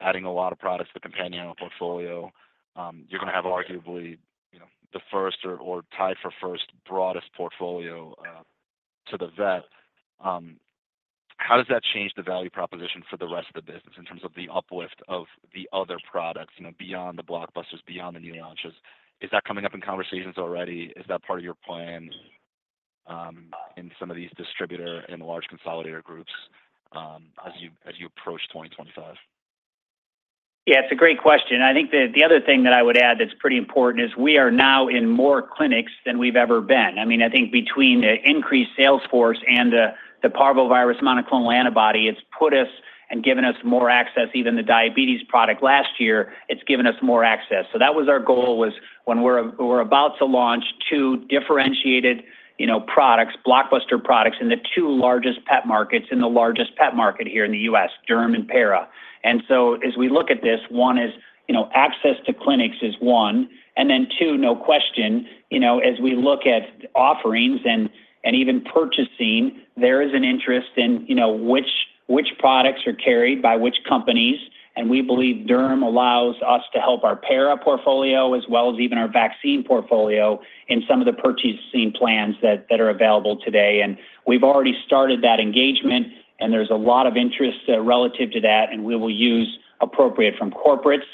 adding a lot of products to companion portfolio. You're going to have arguably, you know, the first or tied for first broadest portfolio to the vet. How does that change the value proposition for the rest of the business in terms of the uplift of the other products, you know, beyond the blockbusters, beyond the new launches? Is that coming up in conversations already? Is that part of your plan, in some of these distributor and large consolidator groups, as you approach 2025? Yeah, it's a great question. I think the other thing that I would add that's pretty important is we are now in more clinics than we've ever been. I mean, I think between the increased sales force and the parvovirus monoclonal antibody, it's put us and given us more access, even the diabetes product last year, it's given us more access. So that was our goal was when we're about to launch two differentiated, you know, products, blockbuster products, in the two largest pet markets in the largest pet market here in the U.S., derm and para. And so as we look at this, one is, you know, access to clinics is one, and then, two, no question, you know, as we look at offerings and even purchasing, there is an interest in, you know, which products are carried by which companies, and we believe derm allows us to help our para portfolio, as well as even our vaccine portfolio in some of the purchasing plans that are available today. And we've already started that engagement, and there's a lot of interest relative to that, and we will use appropriate from corporates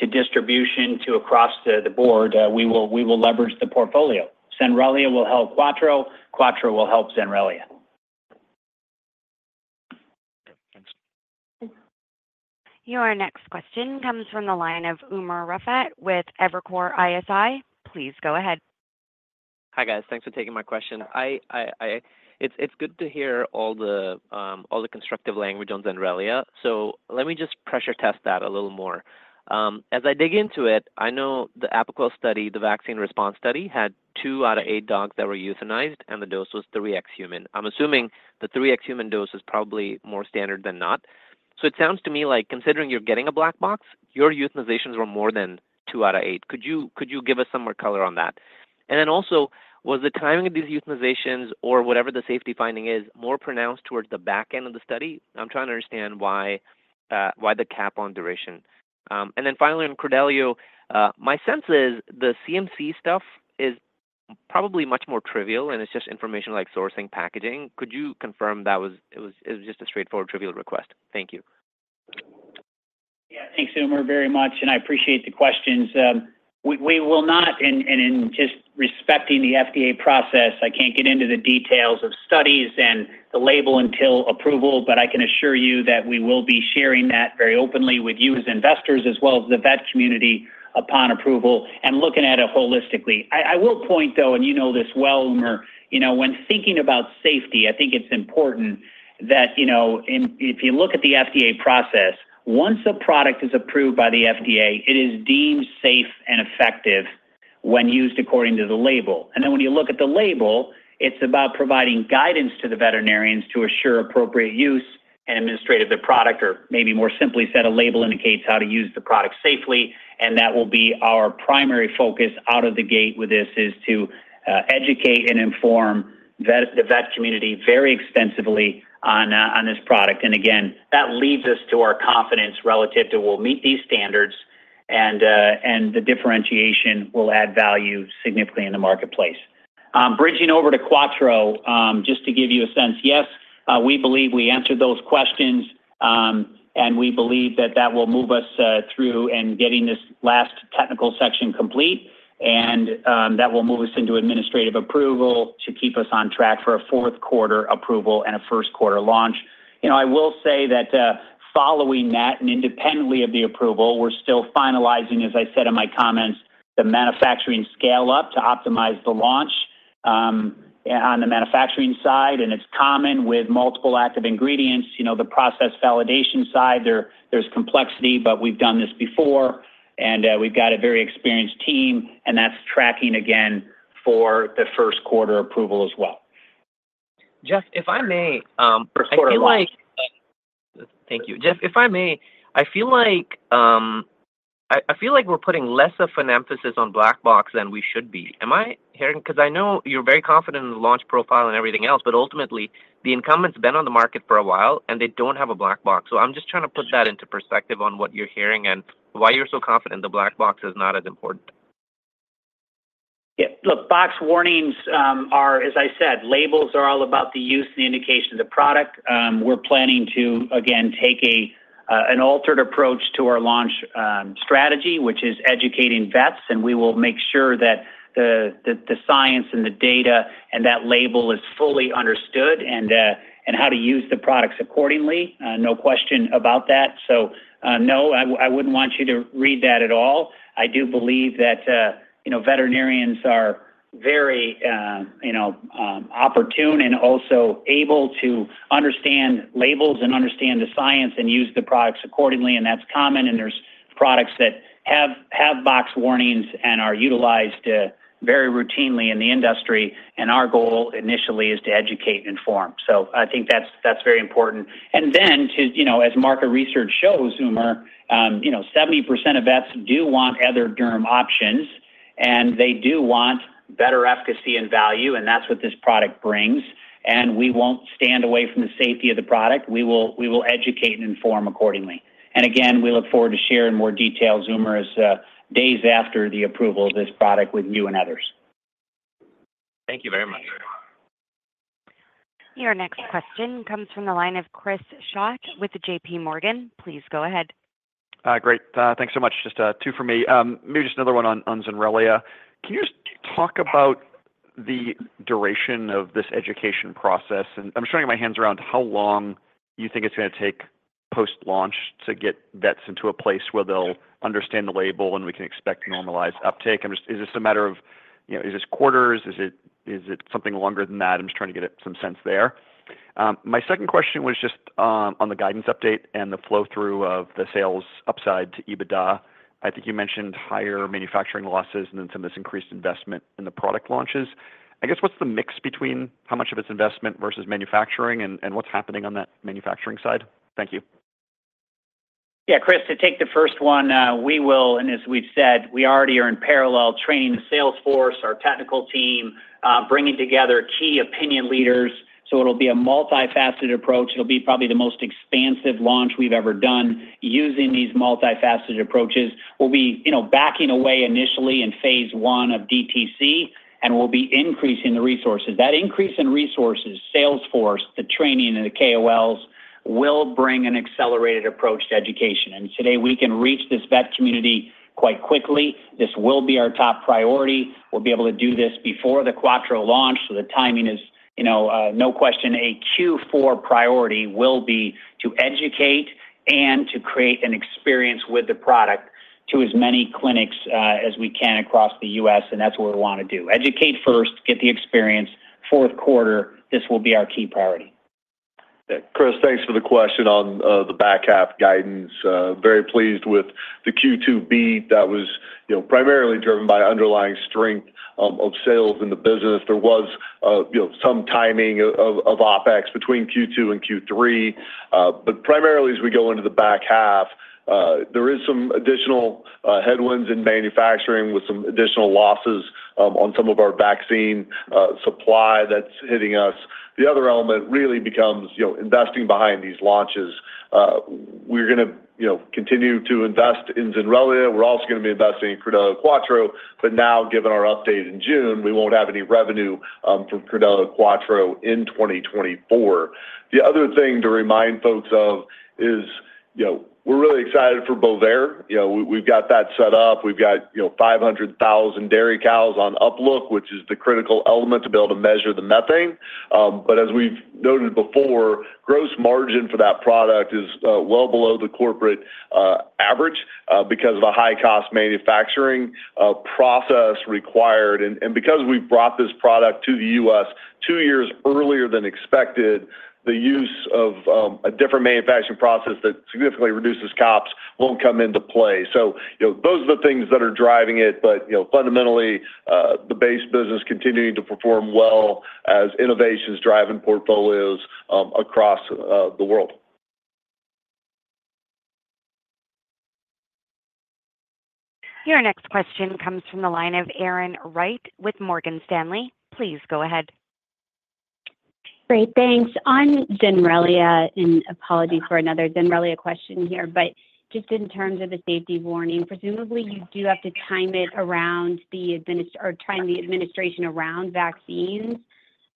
to distribution to across the board. We will leverage the portfolio. Zenrelia will help Quattro, Quattro will help Zenrelia. Okay, thanks. Your next question comes from the line of Umer Raffat with Evercore ISI. Please go ahead. Hi, guys. Thanks for taking my question. I. It's good to hear all the constructive language on Zenrelia. So let me just pressure test that a little more. As I dig into it, I know the Apoquel study, the vaccine response study, had two out of eight dogs that were euthanized, and the dose was 3x human. I'm assuming the 3x human dose is probably more standard than not. So it sounds to me like considering you're getting a black box, your euthanizations were more than two out of eight. Could you give us some more color on that? And then also, was the timing of these euthanizations or whatever the safety finding is, more pronounced towards the back end of the study? I'm trying to understand why the cap on duration. And then finally, in Credelio, my sense is the CMC stuff is probably much more trivial, and it's just information like sourcing, packaging. Could you confirm that it was just a straightforward, trivial request? Thank you. Yeah. Thanks, Umer, very much, and I appreciate the questions. We will not, and in just respecting the FDA process, I can't get into the details of studies and the label until approval, but I can assure you that we will be sharing that very openly with you as investors, as well as the vet community upon approval and looking at it holistically. I will point, though, and you know this well, Umer, you know, when thinking about safety, I think it's important that, you know, if you look at the FDA process, once a product is approved by the FDA, it is deemed safe and effective when used according to the label. And then when you look at the label, it's about providing guidance to the veterinarians to assure appropriate use and administrate the product, or maybe more simply said, a label indicates how to use the product safely, and that will be our primary focus out of the gate with this, is to educate and inform the vet community very extensively on this product. And again, that leads us to our confidence relative to we'll meet these standards, and the differentiation will add value significantly in the marketplace. Bridging over to Quattro, just to give you a sense, yes, we believe we answered those questions, and we believe that that will move us through and getting this last technical section complete, and that will move us into administrative approval to keep us on track for a Q4 approval and a first-quarter launch. You know, I will say that, following that and independently of the approval, we're still finalizing, as I said in my comments, the manufacturing scale-up to optimize the launch, on the manufacturing side, and it's common with multiple active ingredients, you know, the process validation side. There, there's complexity, but we've done this before, and we've got a very experienced team, and that's tracking again for the Q1 approval as well. Jeff, if I may, I feel like- Q1 launch. Thank you. Jeff, if I may, I feel like we're putting less of an emphasis on black box than we should be. Am I hearing? Because I know you're very confident in the launch profile and everything else, but ultimately, the incumbent's been on the market for a while, and they don't have a black box. So I'm just trying to put that into perspective on what you're hearing and why you're so confident the black box is not as important. Yeah, look, box warnings are, as I said, labels are all about the use and the indication of the product. We're planning to, again, take an altered approach to our launch strategy, which is educating vets, and we will make sure that the science and the data and that label is fully understood, and how to use the products accordingly. No question about that. So, no, I wouldn't want you to read that at all. I do believe that, you know, veterinarians are very, you know, open and also able to understand labels and understand the science, and use the products accordingly, and that's common. And there's products that have box warnings and are utilized very routinely in the industry, and our goal initially is to educate and inform. So I think that's, that's very important. And then to... You know, as market research shows, Zenrelia, you know, 70% of vets do want other derm options, and they do want better efficacy and value, and that's what this product brings. And we won't stand away from the safety of the product. We will, we will educate and inform accordingly. And again, we look forward to sharing more details, Zenrelia, as days after the approval of this product with you and others. Thank you very much. Your next question comes from the line of Chris Schott with J.P. Morgan. Please go ahead. Great. Thanks so much. Just two for me. Maybe just another one on Zenrelia. Can you just talk about the duration of this education process? And I'm showing my hands around how long you think it's gonna take post-launch to get vets into a place where they'll understand the label, and we can expect normalized uptake. I'm just - Is this a matter of, you know, is this quarters? Is it, is it something longer than that? I'm just trying to get some sense there. My second question was just on the guidance update and the flow-through of the sales upside to EBITDA. I think you mentioned higher manufacturing losses and then some of this increased investment in the product launches. I guess, what's the mix between how much of it's investment versus manufacturing, and what's happening on that manufacturing side? Thank you. Yeah, Chris, to take the first one, we will, and as we've said, we already are in parallel, training the sales force, our technical team, bringing together key opinion leaders. So it'll be a multifaceted approach. It'll be probably the most expansive launch we've ever done using these multifaceted approaches. We'll be, you know, backing away initially in phase one of DTC, and we'll be increasing the resources. That increase in resources, sales force, the training, and the KOLs, will bring an accelerated approach to education. And today, we can reach this vet community quite quickly. This will be our top priority. We'll be able to do this before the Quattro launch, so the timing is, you know, no question, a Q4 priority will be to educate and to create an experience with the product to as many clinics as we can across the U.S., and that's what we wanna do. Educate first, get the experience. Q4, this will be our key priority. Chris, thanks for the question on the back half guidance. Very pleased with the Q2 beat. That was, you know, primarily driven by underlying strength of sales in the business. There was, you know, some timing of OpEx between Q2 and Q3. But primarily, as we go into the back half, there is some additional headwinds in manufacturing with some additional losses on some of our vaccine supply that's hitting us. The other element really becomes, you know, investing behind these launches. We're gonna, you know, continue to invest in Zenrelia. We're also gonna be investing in Credelio Quattro, but now, given our update in June, we won't have any revenue from Credelio Quattro in 2024. The other thing to remind folks of is, you know, we're really excited for Bovaer. You know, we've got that set up. We've got, you know, 500,000 dairy cows on UpLook, which is the critical element to be able to measure the methane. But as we've noted before, gross margin for that product is well below the corporate average, because of the high-cost manufacturing process required. And because we've brought this product to the U.S. two years earlier than expected, the use of a different manufacturing process that significantly reduces costs won't come into play. So, you know, those are the things that are driving it, but, you know, fundamentally, the base business continuing to perform well as innovation is driving portfolios across the world. Your next question comes from the line of Erin Wright with Morgan Stanley. Please go ahead. Great, thanks. On Zenrelia, and apologies for another Zenrelia question here, but just in terms of the safety warning, presumably, you do have to time it around the administration around vaccines.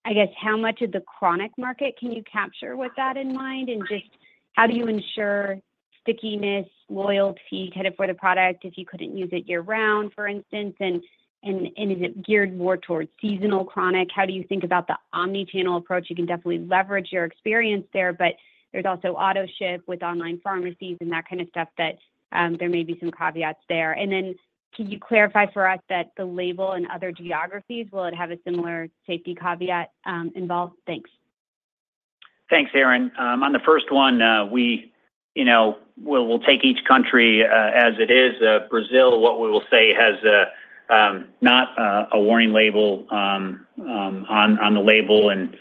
I guess, how much of the chronic market can you capture with that in mind? And just how do you ensure stickiness, loyalty, kind of, for the product if you couldn't use it year-round, for instance, and is it geared more towards seasonal chronic? How do you think about the omni-channel approach? You can definitely leverage your experience there, but there's also auto-ship with online pharmacies and that kind of stuff that, there may be some caveats there. And then can you clarify for us that the label in other geographies, will it have a similar safety caveat, involved? Thanks. Thanks, Erin. On the first one, we, you know, we'll take each country as it is. Brazil, what we will say, has, not a warning label on the label, and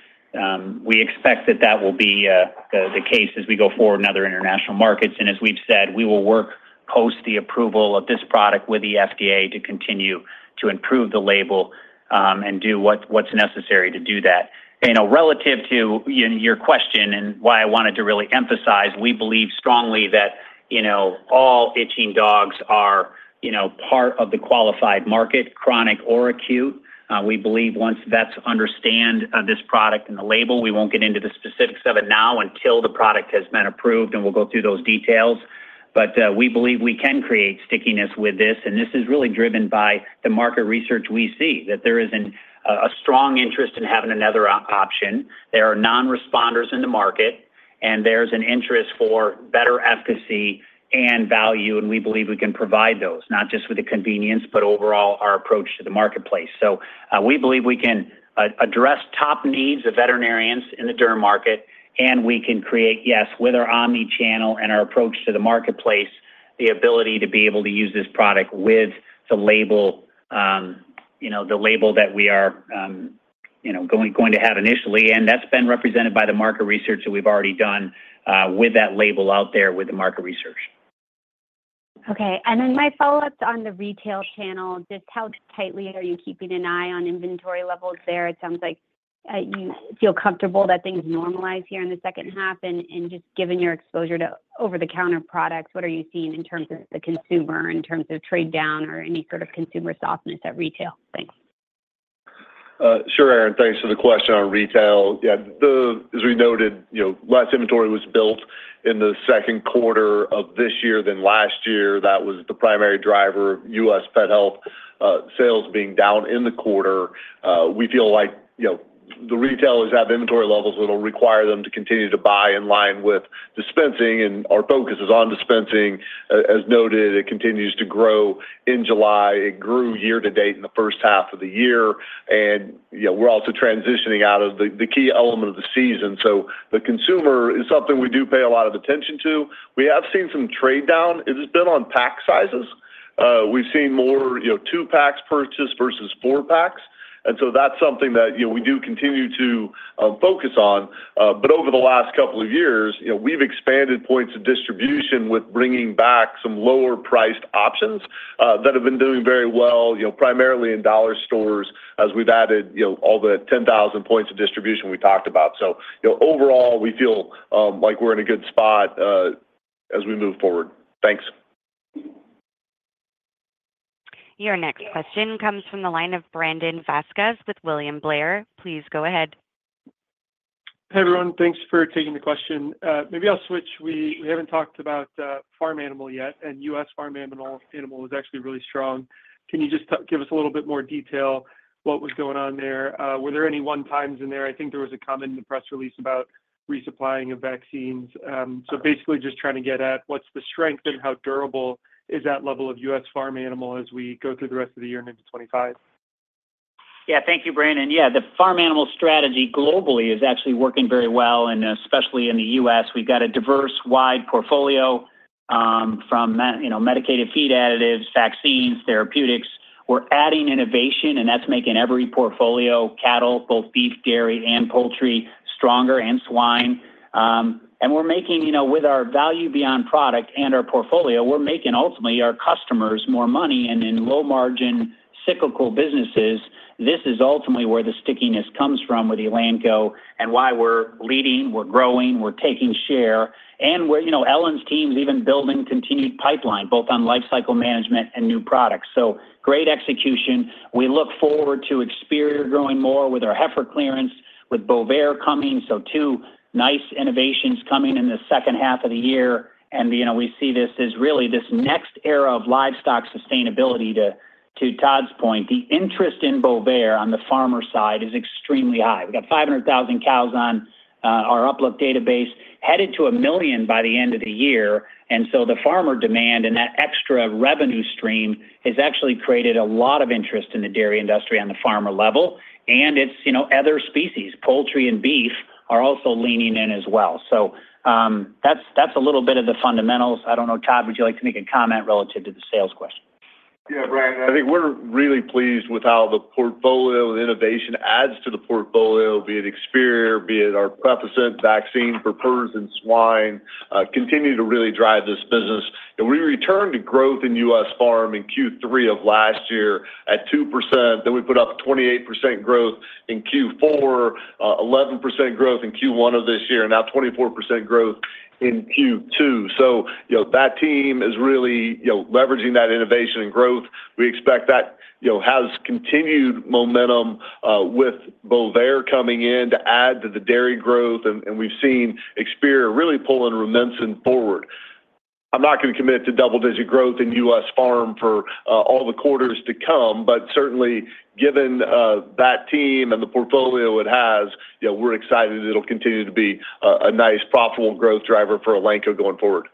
we expect that that will be the case as we go forward in other international markets. And as we've said, we will work post the approval of this product with the FDA to continue to improve the label, and do what's necessary to do that. You know, relative to your question and why I wanted to really emphasize, we believe strongly that you know, all itching dogs are, you know, part of the qualified market, chronic or acute. We believe once vets understand this product and the label, we won't get into the specifics of it now until the product has been approved, and we'll go through those details. But we believe we can create stickiness with this, and this is really driven by the market research we see, that there isn't a strong interest in having another option. There are non-responders in the market, and there's an interest for better efficacy and value, and we believe we can provide those, not just with the convenience, but overall, our approach to the marketplace. We believe we can address top needs of veterinarians in the derm market, and we can create, yes, with our omni-channel and our approach to the marketplace, the ability to be able to use this product with the label, you know, the label that we are, you know, going to have initially, and that's been represented by the market research that we've already done, with that label out there with the market research. Okay, and then my follow-up's on the retail channel. Just how tightly are you keeping an eye on inventory levels there? It sounds like, you feel comfortable that things normalize here in the second half. And just given your exposure to over-the-counter products, what are you seeing in terms of the consumer, in terms of trade down or any sort of consumer softness at retail? Thanks. Sure, Erin. Thanks for the question on retail. Yeah, the... As we noted, you know, last inventory was built in the Q2 of this year than last year. That was the primary driver, U.S. pet health, sales being down in the quarter. We feel like, you know, the retailers have inventory levels that will require them to continue to buy in line with dispensing, and our focus is on dispensing. As noted, it continues to grow in July. It grew year to date in the first half of the year, and, you know, we're also transitioning out of the, the key element of the season. So the consumer is something we do pay a lot of attention to. We have seen some trade down. It has been on pack sizes. We've seen more, you know, two packs purchased versus four packs, and so that's something that, you know, we do continue to focus on. But over the last couple of years, you know, we've expanded points of distribution with bringing back some lower-priced options that have been doing very well, you know, primarily in dollar stores, as we've added, you know, all the 10,000 points of distribution we talked about. So, you know, overall, we feel like we're in a good spot as we move forward. Thanks. Your next question comes from the line of Brandon Vazquez with William Blair. Please go ahead. Hey, everyone. Thanks for taking the question. Maybe I'll switch. We haven't talked about farm animal yet, and US farm animal is actually really strong. Can you just give us a little bit more detail what was going on there? Were there any one times in there? I think there was a comment in the press release about resupplying of vaccines. So basically, just trying to get at what's the strength and how durable is that level of US farm animal as we go through the rest of the year and into 2025. Yeah. Thank you, Brandon. Yeah, the farm animal strategy globally is actually working very well, and especially in the U.S. We've got a diverse, wide portfolio, from, you know, medicated feed additives, vaccines, therapeutics. We're adding innovation, and that's making every portfolio, cattle, both beef, dairy, and poultry, stronger, and swine. And we're making, you know, with our value beyond product and our portfolio, we're making ultimately our customers more money. And in low-margin, cyclical businesses, this is ultimately where the stickiness comes from with Elanco and why we're leading, we're growing, we're taking share, and we're... You know, Ellen's team is even building continued pipeline, both on lifecycle management and new products. So great execution. We look forward to Experior growing more with our heifer clearance, with Bovaer coming, so two nice innovations coming in the second half of the year. You know, we see this as really this next era of livestock sustainability. To Todd's point, the interest in Bovaer on the farmer side is extremely high. We've got 500,000 cows on our Uplift database, headed to 1 million by the end of the year. And so the farmer demand and that extra revenue stream has actually created a lot of interest in the dairy industry on the farmer level. And it's, you know, other species. Poultry and beef are also leaning in as well. So, that's, that's a little bit of the fundamentals. I don't know, Todd, would you like to make a comment relative to the sales question? Yeah, Brandon, I think we're really pleased with how the portfolio innovation adds to the portfolio, be it Experior, be it our Prevacent vaccine for PRRS in swine, continue to really drive this business. We returned to growth in U.S. Farm in Q3 of last year at 2%, then we put up a 28% growth in Q4, 11% growth in Q1 of this year, and now 24% growth in Q2. So you know, that team is really, you know, leveraging that innovation and growth. We expect that, you know, has continued momentum, with Bovaer coming in to add to the dairy growth, and, and we've seen Experior really pulling Rumensin forward. I'm not going to commit to double-digit growth in U.S. Farm for all the quarters to come, but certainly, given that team and the portfolio it has, you know, we're excited it'll continue to be a nice, profitable growth driver for Elanco going forward.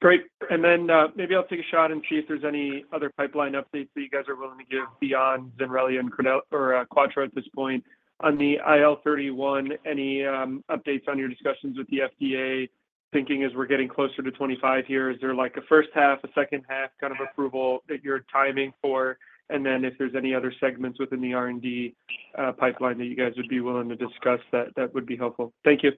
Great. And then, maybe I'll take a shot and see if there's any other pipeline updates that you guys are willing to give beyond Zenrelia and Credelio Quattro at this point. On the IL-31, any updates on your discussions with the FDA? Thinking as we're getting closer to 25 here, is there like a first half, a second half kind of approval that you're timing for? And then if there's any other segments within the R&D pipeline that you guys would be willing to discuss, that, that would be helpful. Thank you.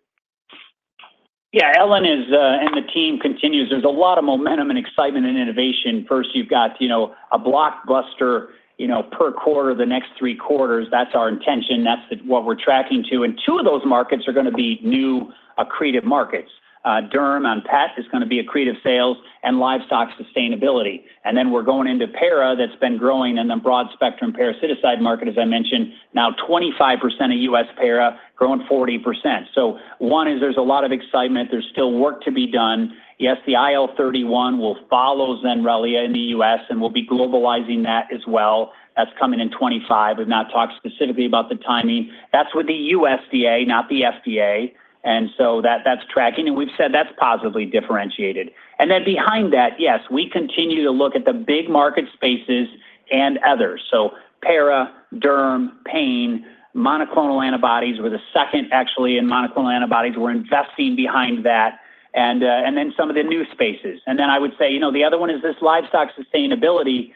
Yeah, Ellen is, and the team continues. There's a lot of momentum and excitement and innovation. First, you've got, you know, a blockbuster, you know, per quarter, the next three quarters. That's our intention. That's what we're tracking to, and two of those markets are gonna be new accretive markets. Derm on pet is gonna be accretive sales and livestock sustainability. And then we're going into para, that's been growing in the broad-spectrum parasiticide market, as I mentioned, now 25% of U.S. para, growing 40%. So one is there's a lot of excitement, there's still work to be done. Yes, the IL-31 will follow Zenrelia in the U.S., and we'll be globalizing that as well. That's coming in 2025. We've not talked specifically about the timing. That's with the USDA, not the FDA, and so that, that's tracking, and we've said that's positively differentiated. And then behind that, yes, we continue to look at the big market spaces and others. So para, derm, pain, monoclonal antibodies, we're the second actually in monoclonal antibodies, we're investing behind that, and, and then some of the new spaces. And then I would say, you know, the other one is this livestock sustainability.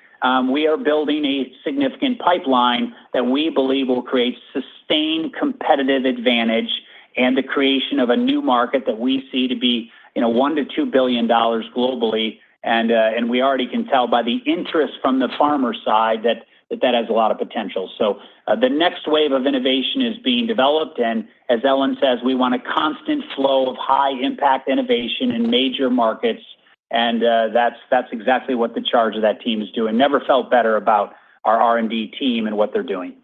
We are building a significant pipeline that we believe will create sustained competitive advantage and the creation of a new market that we see to be, you know, $1 billion-$2 billion globally, and, and we already can tell by the interest from the farmer side that, that has a lot of potential. So, the next wave of innovation is being developed, and as Ellen says, we want a constant flow of high-impact innovation in major markets, and, that's, that's exactly what the charge of that team is doing. Never felt better about our R&D team and what they're doing.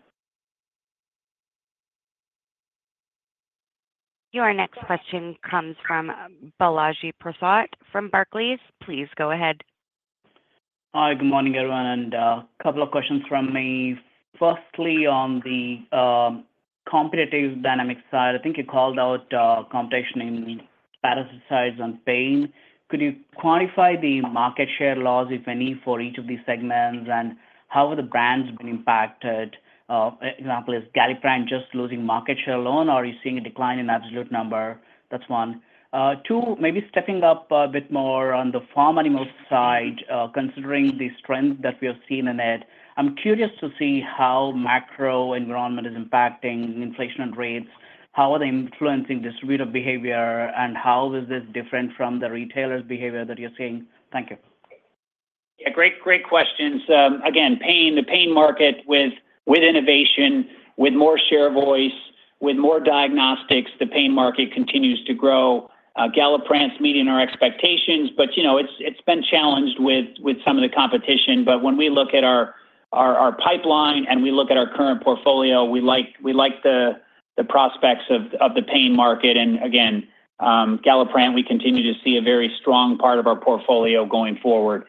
Your next question comes from Balaji Prasad from Barclays. Please go ahead. Hi, good morning, everyone, and a couple of questions from me. Firstly, on the competitive dynamic side, I think you called out competition in parasiticides and pain. Could you quantify the market share loss, if any, for each of these segments, and how are the brands being impacted? Example, is Galliprant just losing market share alone, or are you seeing a decline in absolute number? That's one. Two, maybe stepping up a bit more on the farm animal side, considering the strength that we have seen in it, I'm curious to see how macro environment is impacting inflation and rates, how are they influencing distributor behavior, and how is this different from the retailers' behavior that you're seeing? Thank you. Yeah, great, great questions. Again, the pain market with innovation, with more share voice, with more diagnostics, the pain market continues to grow. Galliprant's meeting our expectations, but, you know, it's been challenged with some of the competition. But when we look at our pipeline and we look at our current portfolio, we like the prospects of the pain market. And again, Galliprant, we continue to see a very strong part of our portfolio going forward.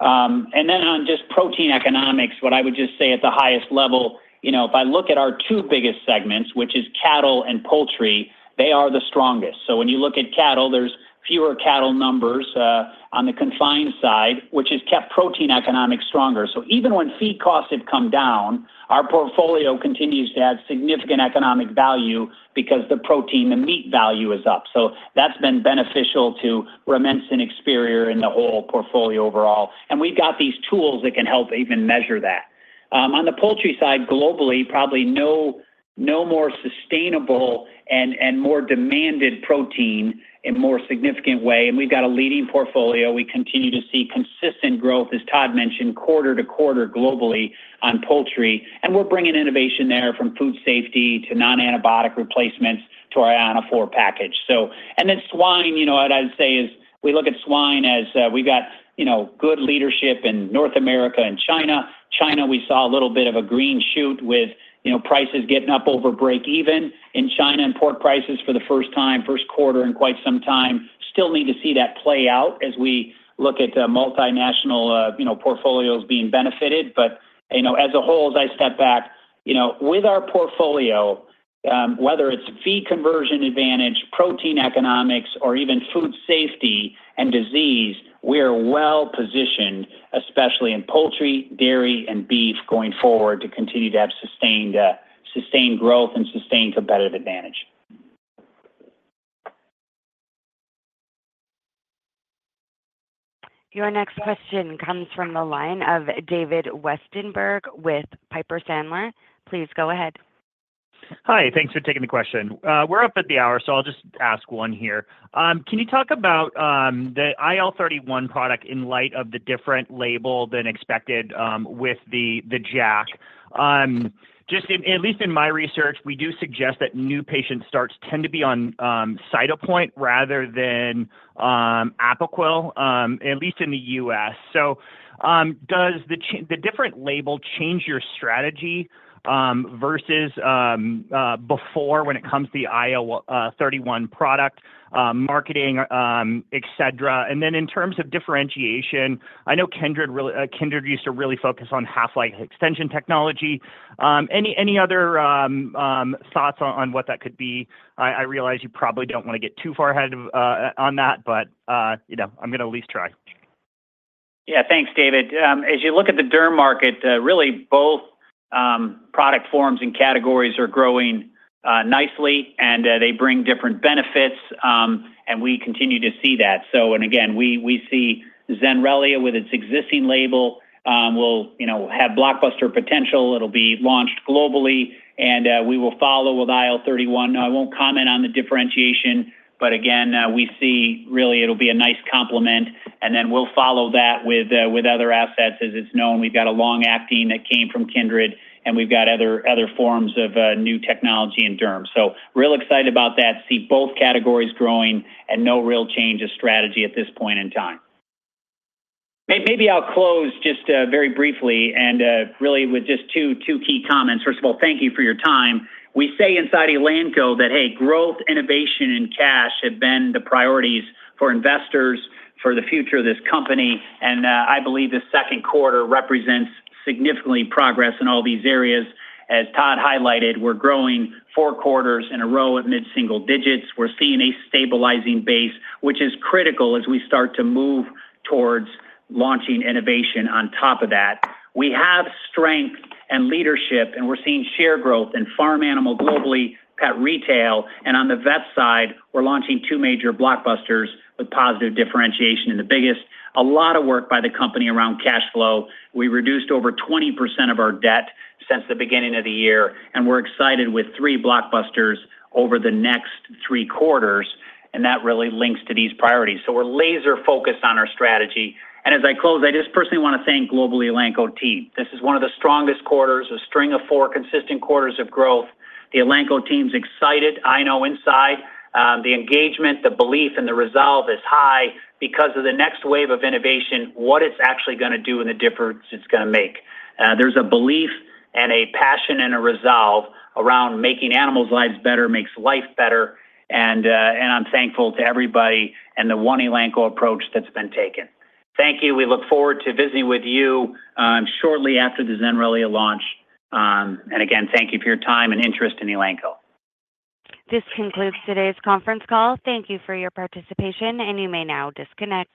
And then on just protein economics, what I would just say at the highest level, you know, if I look at our two biggest segments, which is cattle and poultry, they are the strongest. So when you look at cattle, there's fewer cattle numbers on the confined side, which has kept protein economics stronger. So even when feed costs have come down, our portfolio continues to add significant economic value because the protein, the meat value is up. So that's been beneficial to Rumensin, Experior, and the whole portfolio overall, and we've got these tools that can help even measure that. On the poultry side, globally, probably no more sustainable and more demanded protein in more significant way, and we've got a leading portfolio. We continue to see consistent growth, as Todd mentioned, quarter to quarter globally on poultry, and we're bringing innovation there, from food safety, to non-antibiotic replacements, to our ionophore package, so. And then swine, you know, what I'd say is, we look at swine as, we've got, you know, good leadership in North America and China. China, we saw a little bit of a green shoot with, you know, prices getting up over break even in China, and pork prices for the first time, Q1 in quite some time. Still need to see that play out as we look at the multinational, you know, portfolios being benefited. But, you know, as a whole, as I step back, you know, with our portfolio, whether it's feed conversion advantage, protein economics, or even food safety and disease, we are well-positioned, especially in poultry, dairy, and beef, going forward, to continue to have sustained, sustained growth and sustained competitive advantage. Your next question comes from the line of David Westenberg with Piper Sandler. Please go ahead. Hi, thanks for taking the question. We're up at the hour, so I'll just ask one here. Can you talk about the IL-31 product in light of the different label than expected with the JAK? Just, at least in my research, we do suggest that new patient starts tend to be on Cytopoint rather than Apoquil, at least in the U.S.. So, does the different label change your strategy versus before when it comes to the IL-31 product marketing et cetera? And then in terms of differentiation, I know Kindred really, Kindred used to really focus on half-life extension technology. Any other thoughts on what that could be? I realize you probably don't want to get too far ahead on that, but you know, I'm gonna at least try. Yeah. Thanks, David. As you look at the derm market, really both product forms and categories are growing nicely, and they bring different benefits, and we continue to see that. So and again, we see Zenrelia with its existing label will, you know, have blockbuster potential. It'll be launched globally, and we will follow with IL-31. I won't comment on the differentiation, but again, we see really it'll be a nice complement, and then we'll follow that with other assets. As it's known, we've got a long-acting that came from Kindred, and we've got other forms of new technology in derm. So real excited about that. See both categories growing and no real change of strategy at this point in time. Maybe I'll close just very briefly and really with just two key comments. First of all, thank you for your time. We say inside Elanco that, hey, growth, innovation, and cash have been the priorities for investors for the future of this company, and I believe this Q2 represents significantly progress in all these areas. As Todd highlighted, we're growing four quarters in a row at mid-single digits. We're seeing a stabilizing base, which is critical as we start to move towards launching innovation on top of that. We have strength and leadership, and we're seeing share growth in farm animal globally, pet retail, and on the vet side, we're launching two major blockbusters with positive differentiation in the biggest. A lot of work by the company around cash flow. We reduced over 20% of our debt since the beginning of the year, and we're excited with three blockbusters over the next three quarters, and that really links to these priorities. So we're laser focused on our strategy. As I close, I just personally want to thank global Elanco team. This is one of the strongest quarters, a string of four consistent quarters of growth. The Elanco team's excited. I know inside, the engagement, the belief and the resolve is high because of the next wave of innovation, what it's actually gonna do, and the difference it's gonna make. There's a belief and a passion and a resolve around making animals' lives better, makes life better, and, and I'm thankful to everybody, and the one Elanco approach that's been taken. Thank you. We look forward to visiting with you, shortly after the Zenrelia launch. And again, thank you for your time and interest in Elanco. This concludes today's conference call. Thank you for your participation, and you may now disconnect.